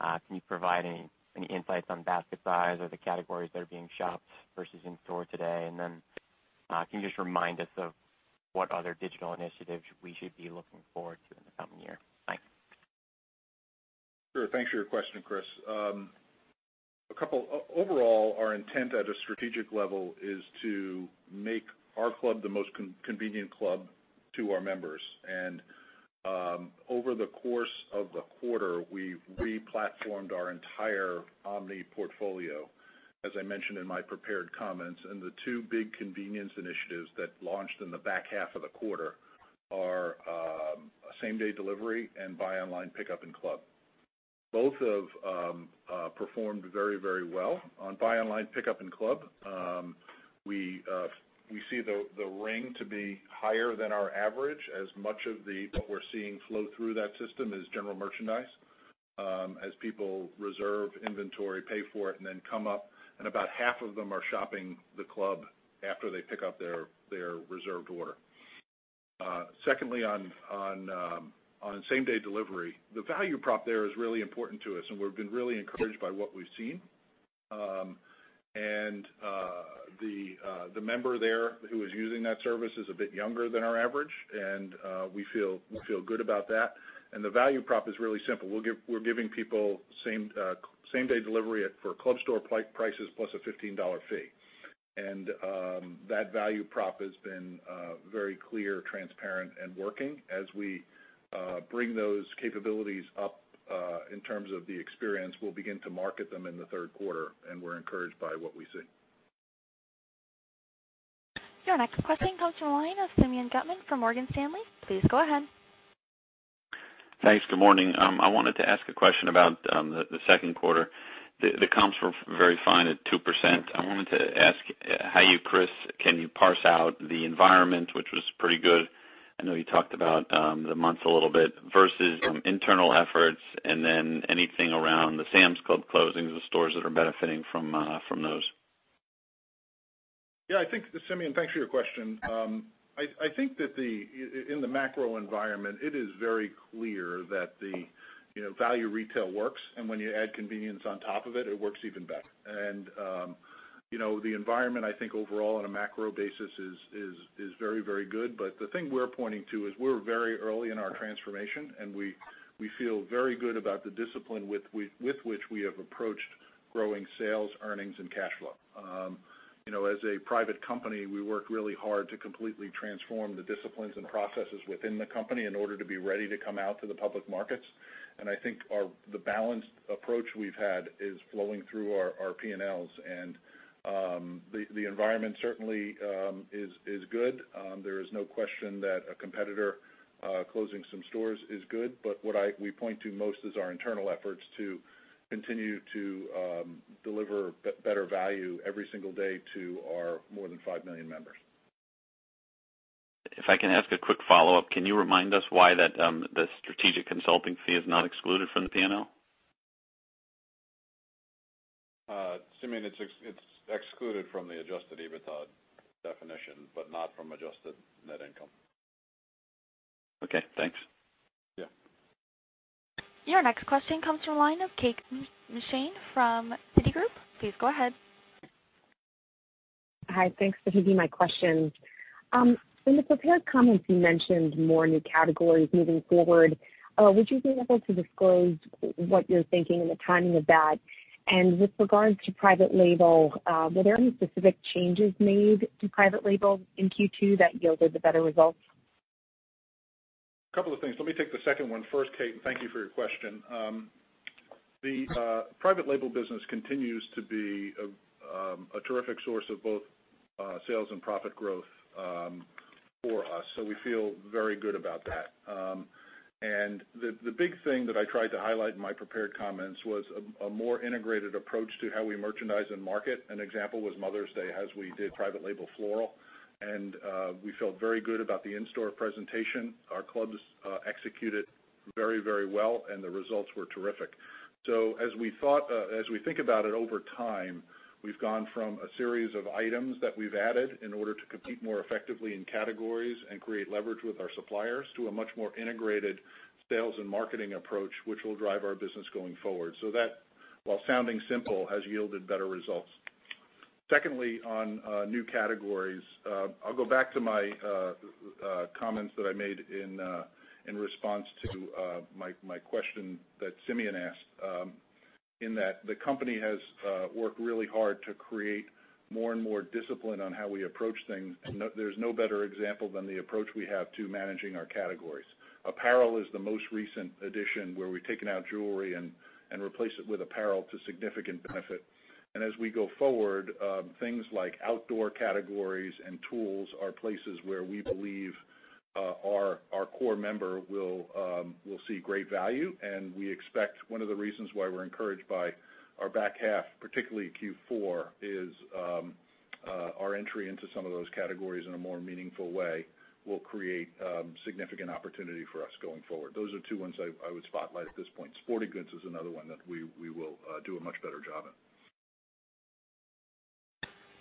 Can you provide any insights on basket size or the categories that are being shopped versus in-store today? Can you just remind us of what other digital initiatives we should be looking forward to in the coming year? Thanks. Sure. Thanks for your question, Chris. Overall, our intent at a strategic level is to make our club the most convenient club to our members. Over the course of the quarter, we re-platformed our entire omni-portfolio, as I mentioned in my prepared comments. The two big convenience initiatives that launched in the back half of the quarter are same-day delivery and Buy Online, Pick Up In-Club. Both have performed very well. On Buy Online, Pick Up In-Club we see the ring to be higher than our average, as much of what we're seeing flow through that system is general merchandise. As people reserve inventory, pay for it, and then come up, and about half of them are shopping the club after they pick up their reserved order. Secondly, on same-day delivery, the value prop there is really important to us, and we've been really encouraged by what we've seen. The member there who is using that service is a bit younger than our average, and we feel good about that. The value prop is really simple. We're giving people same-day delivery for club store prices plus a $15 fee. That value prop has been very clear, transparent, and working. As we bring those capabilities up in terms of the experience, we'll begin to market them in the third quarter. We're encouraged by what we see. Your next question comes from the line of Simeon Gutman from Morgan Stanley. Please go ahead. Thanks. Good morning. I wanted to ask a question about the second quarter. The comps were very fine at 2%. I wanted to ask how you, Chris, can you parse out the environment, which was pretty good. I know you talked about the months a little bit versus some internal efforts. Anything around the Sam's Club closings, the stores that are benefiting from those. Yeah, Simeon, thanks for your question. I think that in the macro environment, it is very clear that value retail works. When you add convenience on top of it works even better. The environment, I think overall on a macro basis is very good. The thing we're pointing to is we're very early in our transformation. We feel very good about the discipline with which we have approached growing sales, earnings, and cash flow. As a private company, we worked really hard to completely transform the disciplines and processes within the company in order to be ready to come out to the public markets. I think the balanced approach we've had is flowing through our P&Ls. The environment certainly is good. There is no question that a competitor closing some stores is good, but what we point to most is our internal efforts to continue to deliver better value every single day to our more than 5 million members. If I can ask a quick follow-up, can you remind us why the strategic consulting fee is not excluded from the P&L? Simeon, it's excluded from the adjusted EBITDA definition, but not from adjusted net income. Okay, thanks. Yeah. Your next question comes from the line of Kate McShane from Citigroup. Please go ahead. Hi. Thanks for taking my questions. In the prepared comments, you mentioned more new categories moving forward. Would you be able to disclose what you're thinking and the timing of that? With regards to private label, were there any specific changes made to private label in Q2 that yielded the better results? A couple of things. Let me take the second one first, Kate, and thank you for your question. The private label business continues to be a terrific source of both sales and profit growth for us, we feel very good about that. The big thing that I tried to highlight in my prepared comments was a more integrated approach to how we merchandise and market. An example was Mother's Day, as we did private label floral, and we felt very good about the in-store presentation. Our clubs executed very well, and the results were terrific. As we think about it over time, we've gone from a series of items that we've added in order to compete more effectively in categories and create leverage with our suppliers to a much more integrated sales and marketing approach, which will drive our business going forward. That, while sounding simple, has yielded better results. Secondly, on new categories, I'll go back to my comments that I made in response to my question that Simeon asked, in that the company has worked really hard to create more and more discipline on how we approach things. There's no better example than the approach we have to managing our categories. Apparel is the most recent addition, where we've taken out jewelry and replaced it with apparel to significant benefit. As we go forward, things like outdoor categories and tools are places where we believe our core member will see great value. We expect one of the reasons why we're encouraged by our back half, particularly Q4, is our entry into some of those categories in a more meaningful way will create significant opportunity for us going forward. Those are two ones I would spotlight at this point. Sporting goods is another one that we will do a much better job in.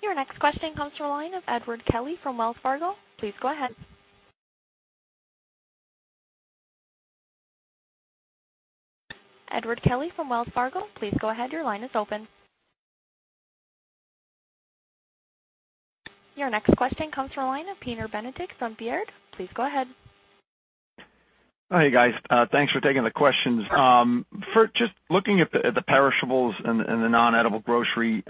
Your next question comes from the line of Edward Kelly from Wells Fargo. Please go ahead. Edward Kelly from Wells Fargo, please go ahead. Your line is open. Your next question comes from the line of Peter Benedict from Baird. Please go ahead. Hey, guys. Thanks for taking the questions. Just looking at the perishables and the non-edible grocery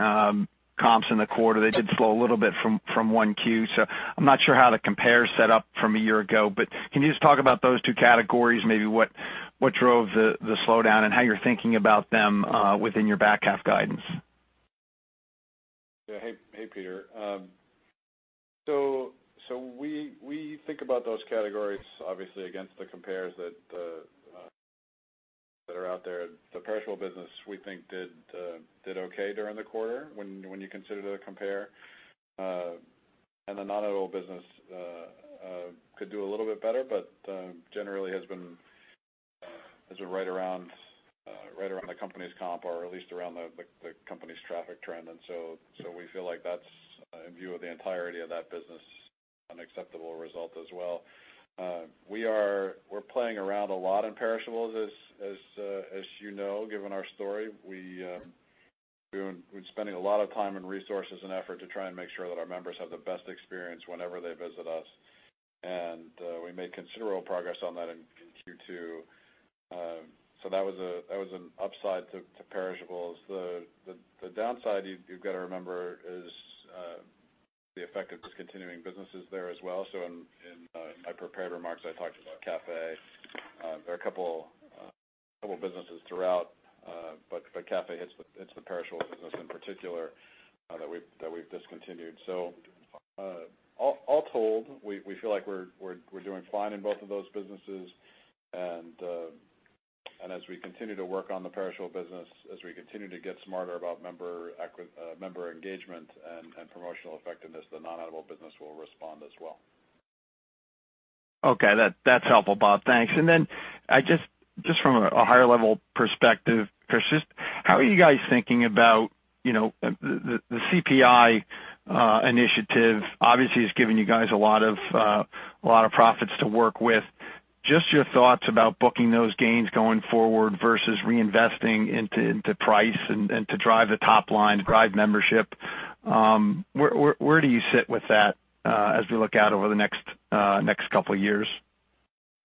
comps in the quarter, they did slow a little bit from 1Q. I'm not sure how the compare's set up from a year ago, but can you just talk about those two categories, maybe what drove the slowdown and how you're thinking about them within your back half guidance? Yeah. Hey, Peter. We think about those categories, obviously, against the compares that are out there. The perishable business, we think did okay during the quarter when you consider the compare. The non-edible business could do a little bit better, but generally has been right around the company's comp or at least around the company's traffic trend. We feel like that's, in view of the entirety of that business, an acceptable result as well. We're playing around a lot in perishables, as you know, given our story. We've been spending a lot of time and resources and effort to try and make sure that our members have the best experience whenever they visit us. We made considerable progress on that in Q2. That was an upside to perishables. The downside, you've got to remember, is the effect of discontinuing businesses there as well. In my prepared remarks, I talked about Cafe. There are a couple businesses throughout, but Cafe hits the perishable business in particular that we've discontinued. All told, we feel like we're doing fine in both of those businesses. As we continue to work on the perishable business, as we continue to get smarter about member engagement and promotional effectiveness, the non-edible business will respond as well. Okay. That's helpful, Bob. Thanks. Then just from a higher level perspective, Chris, how are you guys thinking about the CPI initiative, obviously, it's giving you guys a lot of profits to work with. Just your thoughts about booking those gains going forward versus reinvesting into price and to drive the top line, to drive membership. Where do you sit with that as we look out over the next couple of years?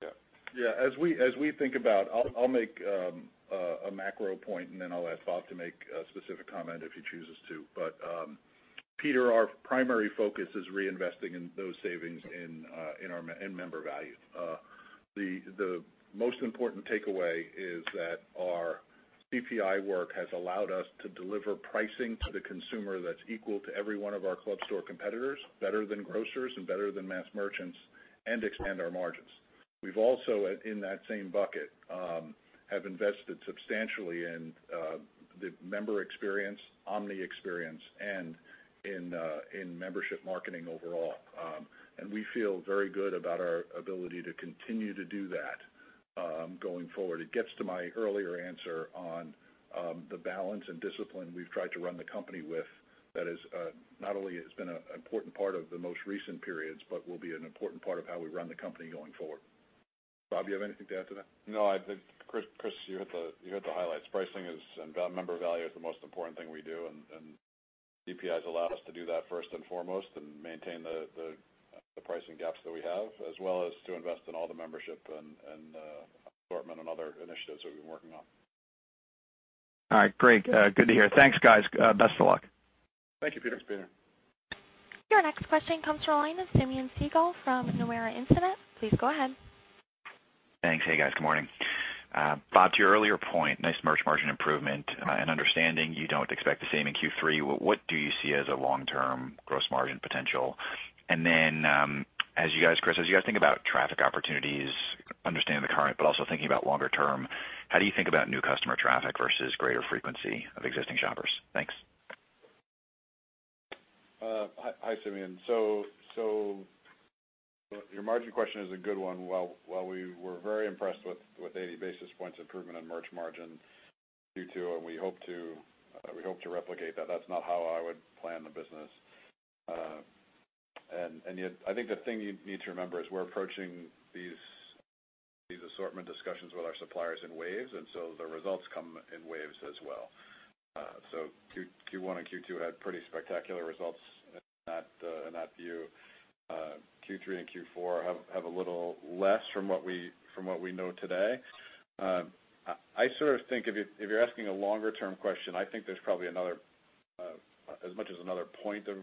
Yeah. As we think about, I'll make a macro point, then I'll ask Bob to make a specific comment if he chooses to. Peter, our primary focus is reinvesting in those savings in member value. The most important takeaway is that our CPI work has allowed us to deliver pricing to the consumer that's equal to every one of our club store competitors, better than grocers, and better than mass merchants, and expand our margins. We've also, in that same bucket, have invested substantially in the member experience, omni experience, and in membership marketing overall. We feel very good about our ability to continue to do that going forward. It gets to my earlier answer on the balance and discipline we've tried to run the company with. That not only has been an important part of the most recent periods, but will be an important part of how we run the company going forward. Bob, you have anything to add to that? No. I think, Chris, you hit the highlights. Pricing and member value is the most important thing we do, and CPI's allowed us to do that first and foremost and maintain the pricing gaps that we have, as well as to invest in all the membership and assortment and other initiatives that we've been working on. All right. Great. Good to hear. Thanks, guys. Best of luck. Thank you, Peter. Thanks, Peter. Your next question comes from the line of Simeon Siegel from Nomura Instinet. Please go ahead. Thanks. Hey, guys. Good morning. Bob, to your earlier point, nice merch margin improvement and understanding you don't expect the same in Q3. What do you see as a long-term gross margin potential? Chris, as you guys think about traffic opportunities, understanding the current, but also thinking about longer term, how do you think about new customer traffic versus greater frequency of existing shoppers? Thanks. Hi, Simeon. Your margin question is a good one. While we were very impressed with 80 basis points improvement in merch margin Q2, we hope to replicate that's not how I would plan the business. Yet, I think the thing you need to remember is we're approaching these assortment discussions with our suppliers in waves, the results come in waves as well. Q1 and Q2 had pretty spectacular results in that view. Q3 and Q4 have a little less from what we know today. I sort of think if you're asking a longer-term question, I think there's probably as much as another point of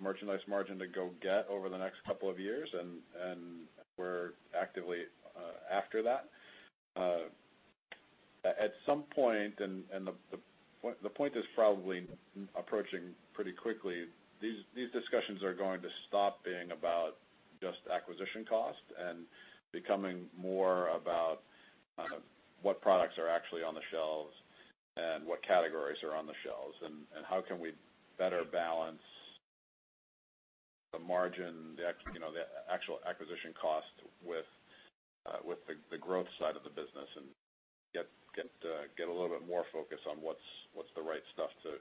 merchandise margin to go get over the next couple of years, we're actively after that. At some point, the point is probably approaching pretty quickly, these discussions are going to stop being about just acquisition cost becoming more about what products are actually on the shelves what categories are on the shelves, how can we better balance the margin, the actual acquisition cost with the growth side of the business get a little bit more focus on what's the right stuff to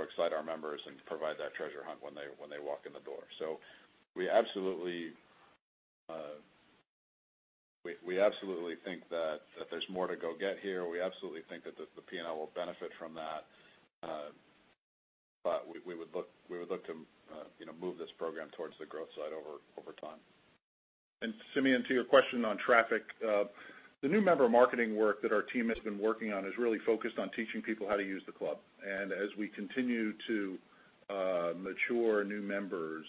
excite our members and provide that treasure hunt when they walk in the door. We absolutely think that there's more to go get here. We absolutely think that the P&L will benefit from that. We would look to move this program towards the growth side over time. Simeon, to your question on traffic. The new member marketing work that our team has been working on is really focused on teaching people how to use the club. As we continue to mature new members,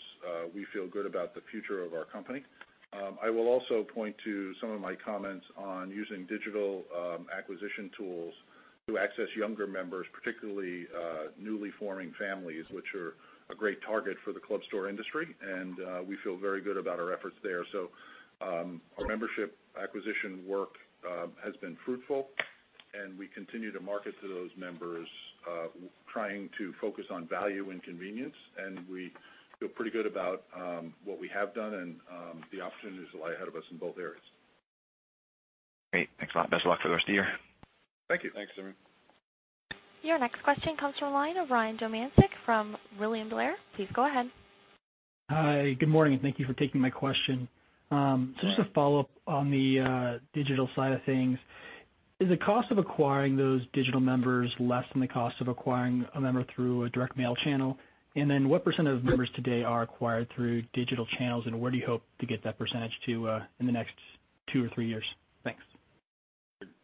we feel good about the future of our company. I will also point to some of my comments on using digital acquisition tools to access younger members, particularly newly forming families, which are a great target for the club store industry, and we feel very good about our efforts there. Our membership acquisition work has been fruitful, and we continue to market to those members, trying to focus on value and convenience, and we feel pretty good about what we have done and the opportunities that lie ahead of us in both areas. Great. Thanks a lot. Best of luck for the rest of the year. Thank you. Thanks, Simeon. Your next question comes from the line of Ryan Domyancic from William Blair. Please go ahead. Hi. Good morning. Thank you for taking my question. Hi. Just a follow-up on the digital side of things. Is the cost of acquiring those digital members less than the cost of acquiring a member through a direct mail channel? What % of members today are acquired through digital channels, and where do you hope to get that % to in the next two or three years? Thanks.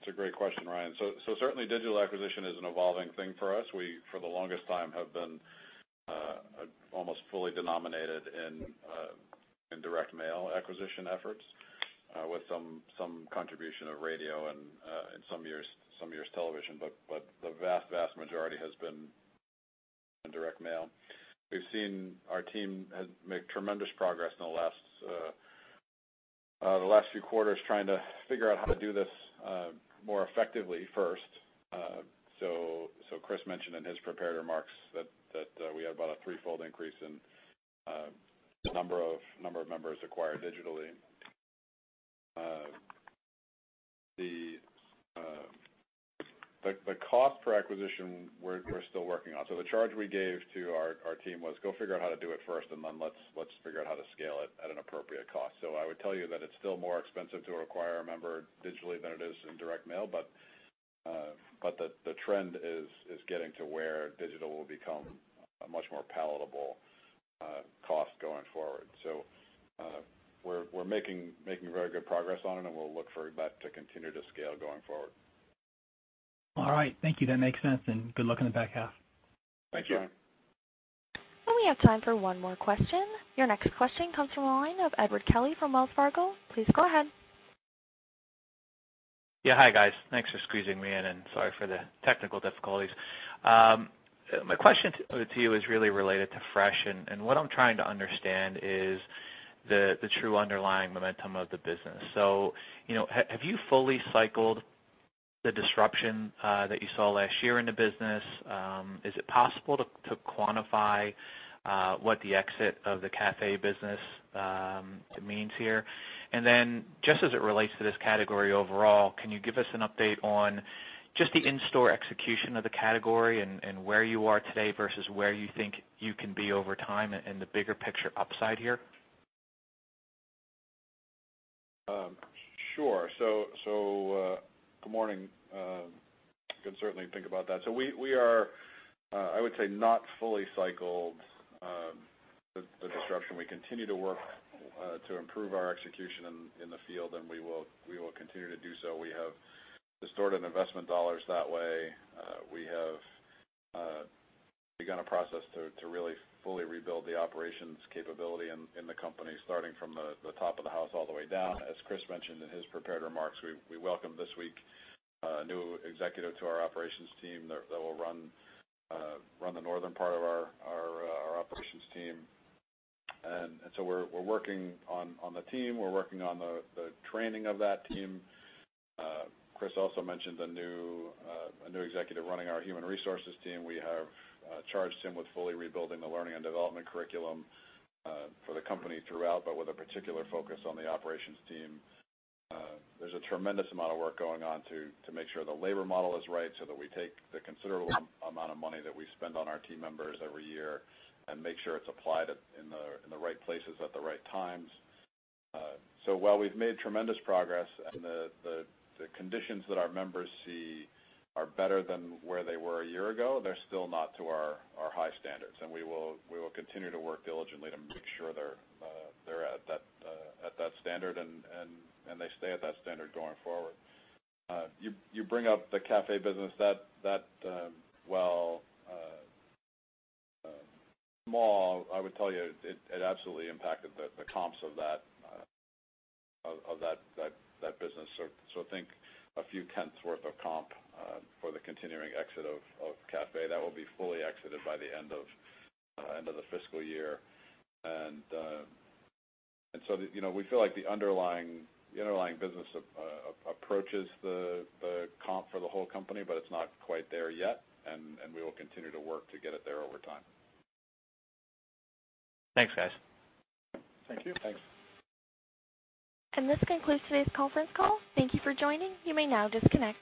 It's a great question, Ryan. Certainly, digital acquisition is an evolving thing for us. We, for the longest time, have been almost fully denominated in direct mail acquisition efforts, with some contribution of radio and, in some years, television. The vast majority has been in direct mail. We've seen our team has made tremendous progress in the last few quarters trying to figure out how to do this, more effectively first. Chris mentioned in his prepared remarks that we had about a threefold increase in the number of members acquired digitally. The cost per acquisition, we're still working on. The charge we gave to our team was go figure out how to do it first, and then let's figure out how to scale it at an appropriate cost. I would tell you that it's still more expensive to acquire a member digitally than it is in direct mail, but the trend is getting to where digital will become a much more palatable, cost going forward. We're making very good progress on it, and we'll look for that to continue to scale going forward. All right. Thank you. That makes sense, and good luck in the back half. Thank you. Thank you. We have time for one more question. Your next question comes from the line of Edward Kelly from Wells Fargo. Please go ahead. Yeah. Hi, guys. Thanks for squeezing me in, and sorry for the technical difficulties. My question to you is really related to fresh, and what I'm trying to understand is the true underlying momentum of the business. Have you fully cycled the disruption that you saw last year in the business? Is it possible to quantify what the exit of the café business means here? Then, just as it relates to this category overall, can you give us an update on just the in-store execution of the category and where you are today versus where you think you can be over time and the bigger picture upside here? Sure. Good morning. Can certainly think about that. We are, I would say, not fully cycled the disruption. We continue to work to improve our execution in the field, and we will continue to do so. We have distorted investment dollars that way. We have begun a process to really fully rebuild the operations capability in the company, starting from the top of the house all the way down. As Chris mentioned in his prepared remarks, we welcomed this week, a new executive to our operations team that will run the northern part of our operations team. So we're working on the team. We're working on the training of that team. Chris also mentioned a new executive running our human resources team. We have charged him with fully rebuilding the learning and development curriculum for the company throughout, but with a particular focus on the operations team. There's a tremendous amount of work going on to make sure the labor model is right, so that we take the considerable amount of money that we spend on our team members every year and make sure it's applied in the right places at the right times. While we've made tremendous progress and the conditions that our members see are better than where they were a year ago, they're still not to our high standards. We will continue to work diligently to make sure they're at that standard and they stay at that standard going forward. You bring up the café business. That while, small, I would tell you it absolutely impacted the comps of that business. Think a few tenths worth of comp for the continuing exit of café. That will be fully exited by the end of the fiscal year. We feel like the underlying business approaches the comp for the whole company, but it's not quite there yet, and we will continue to work to get it there over time. Thanks, guys. Thank you. Thanks. This concludes today's conference call. Thank you for joining. You may now disconnect.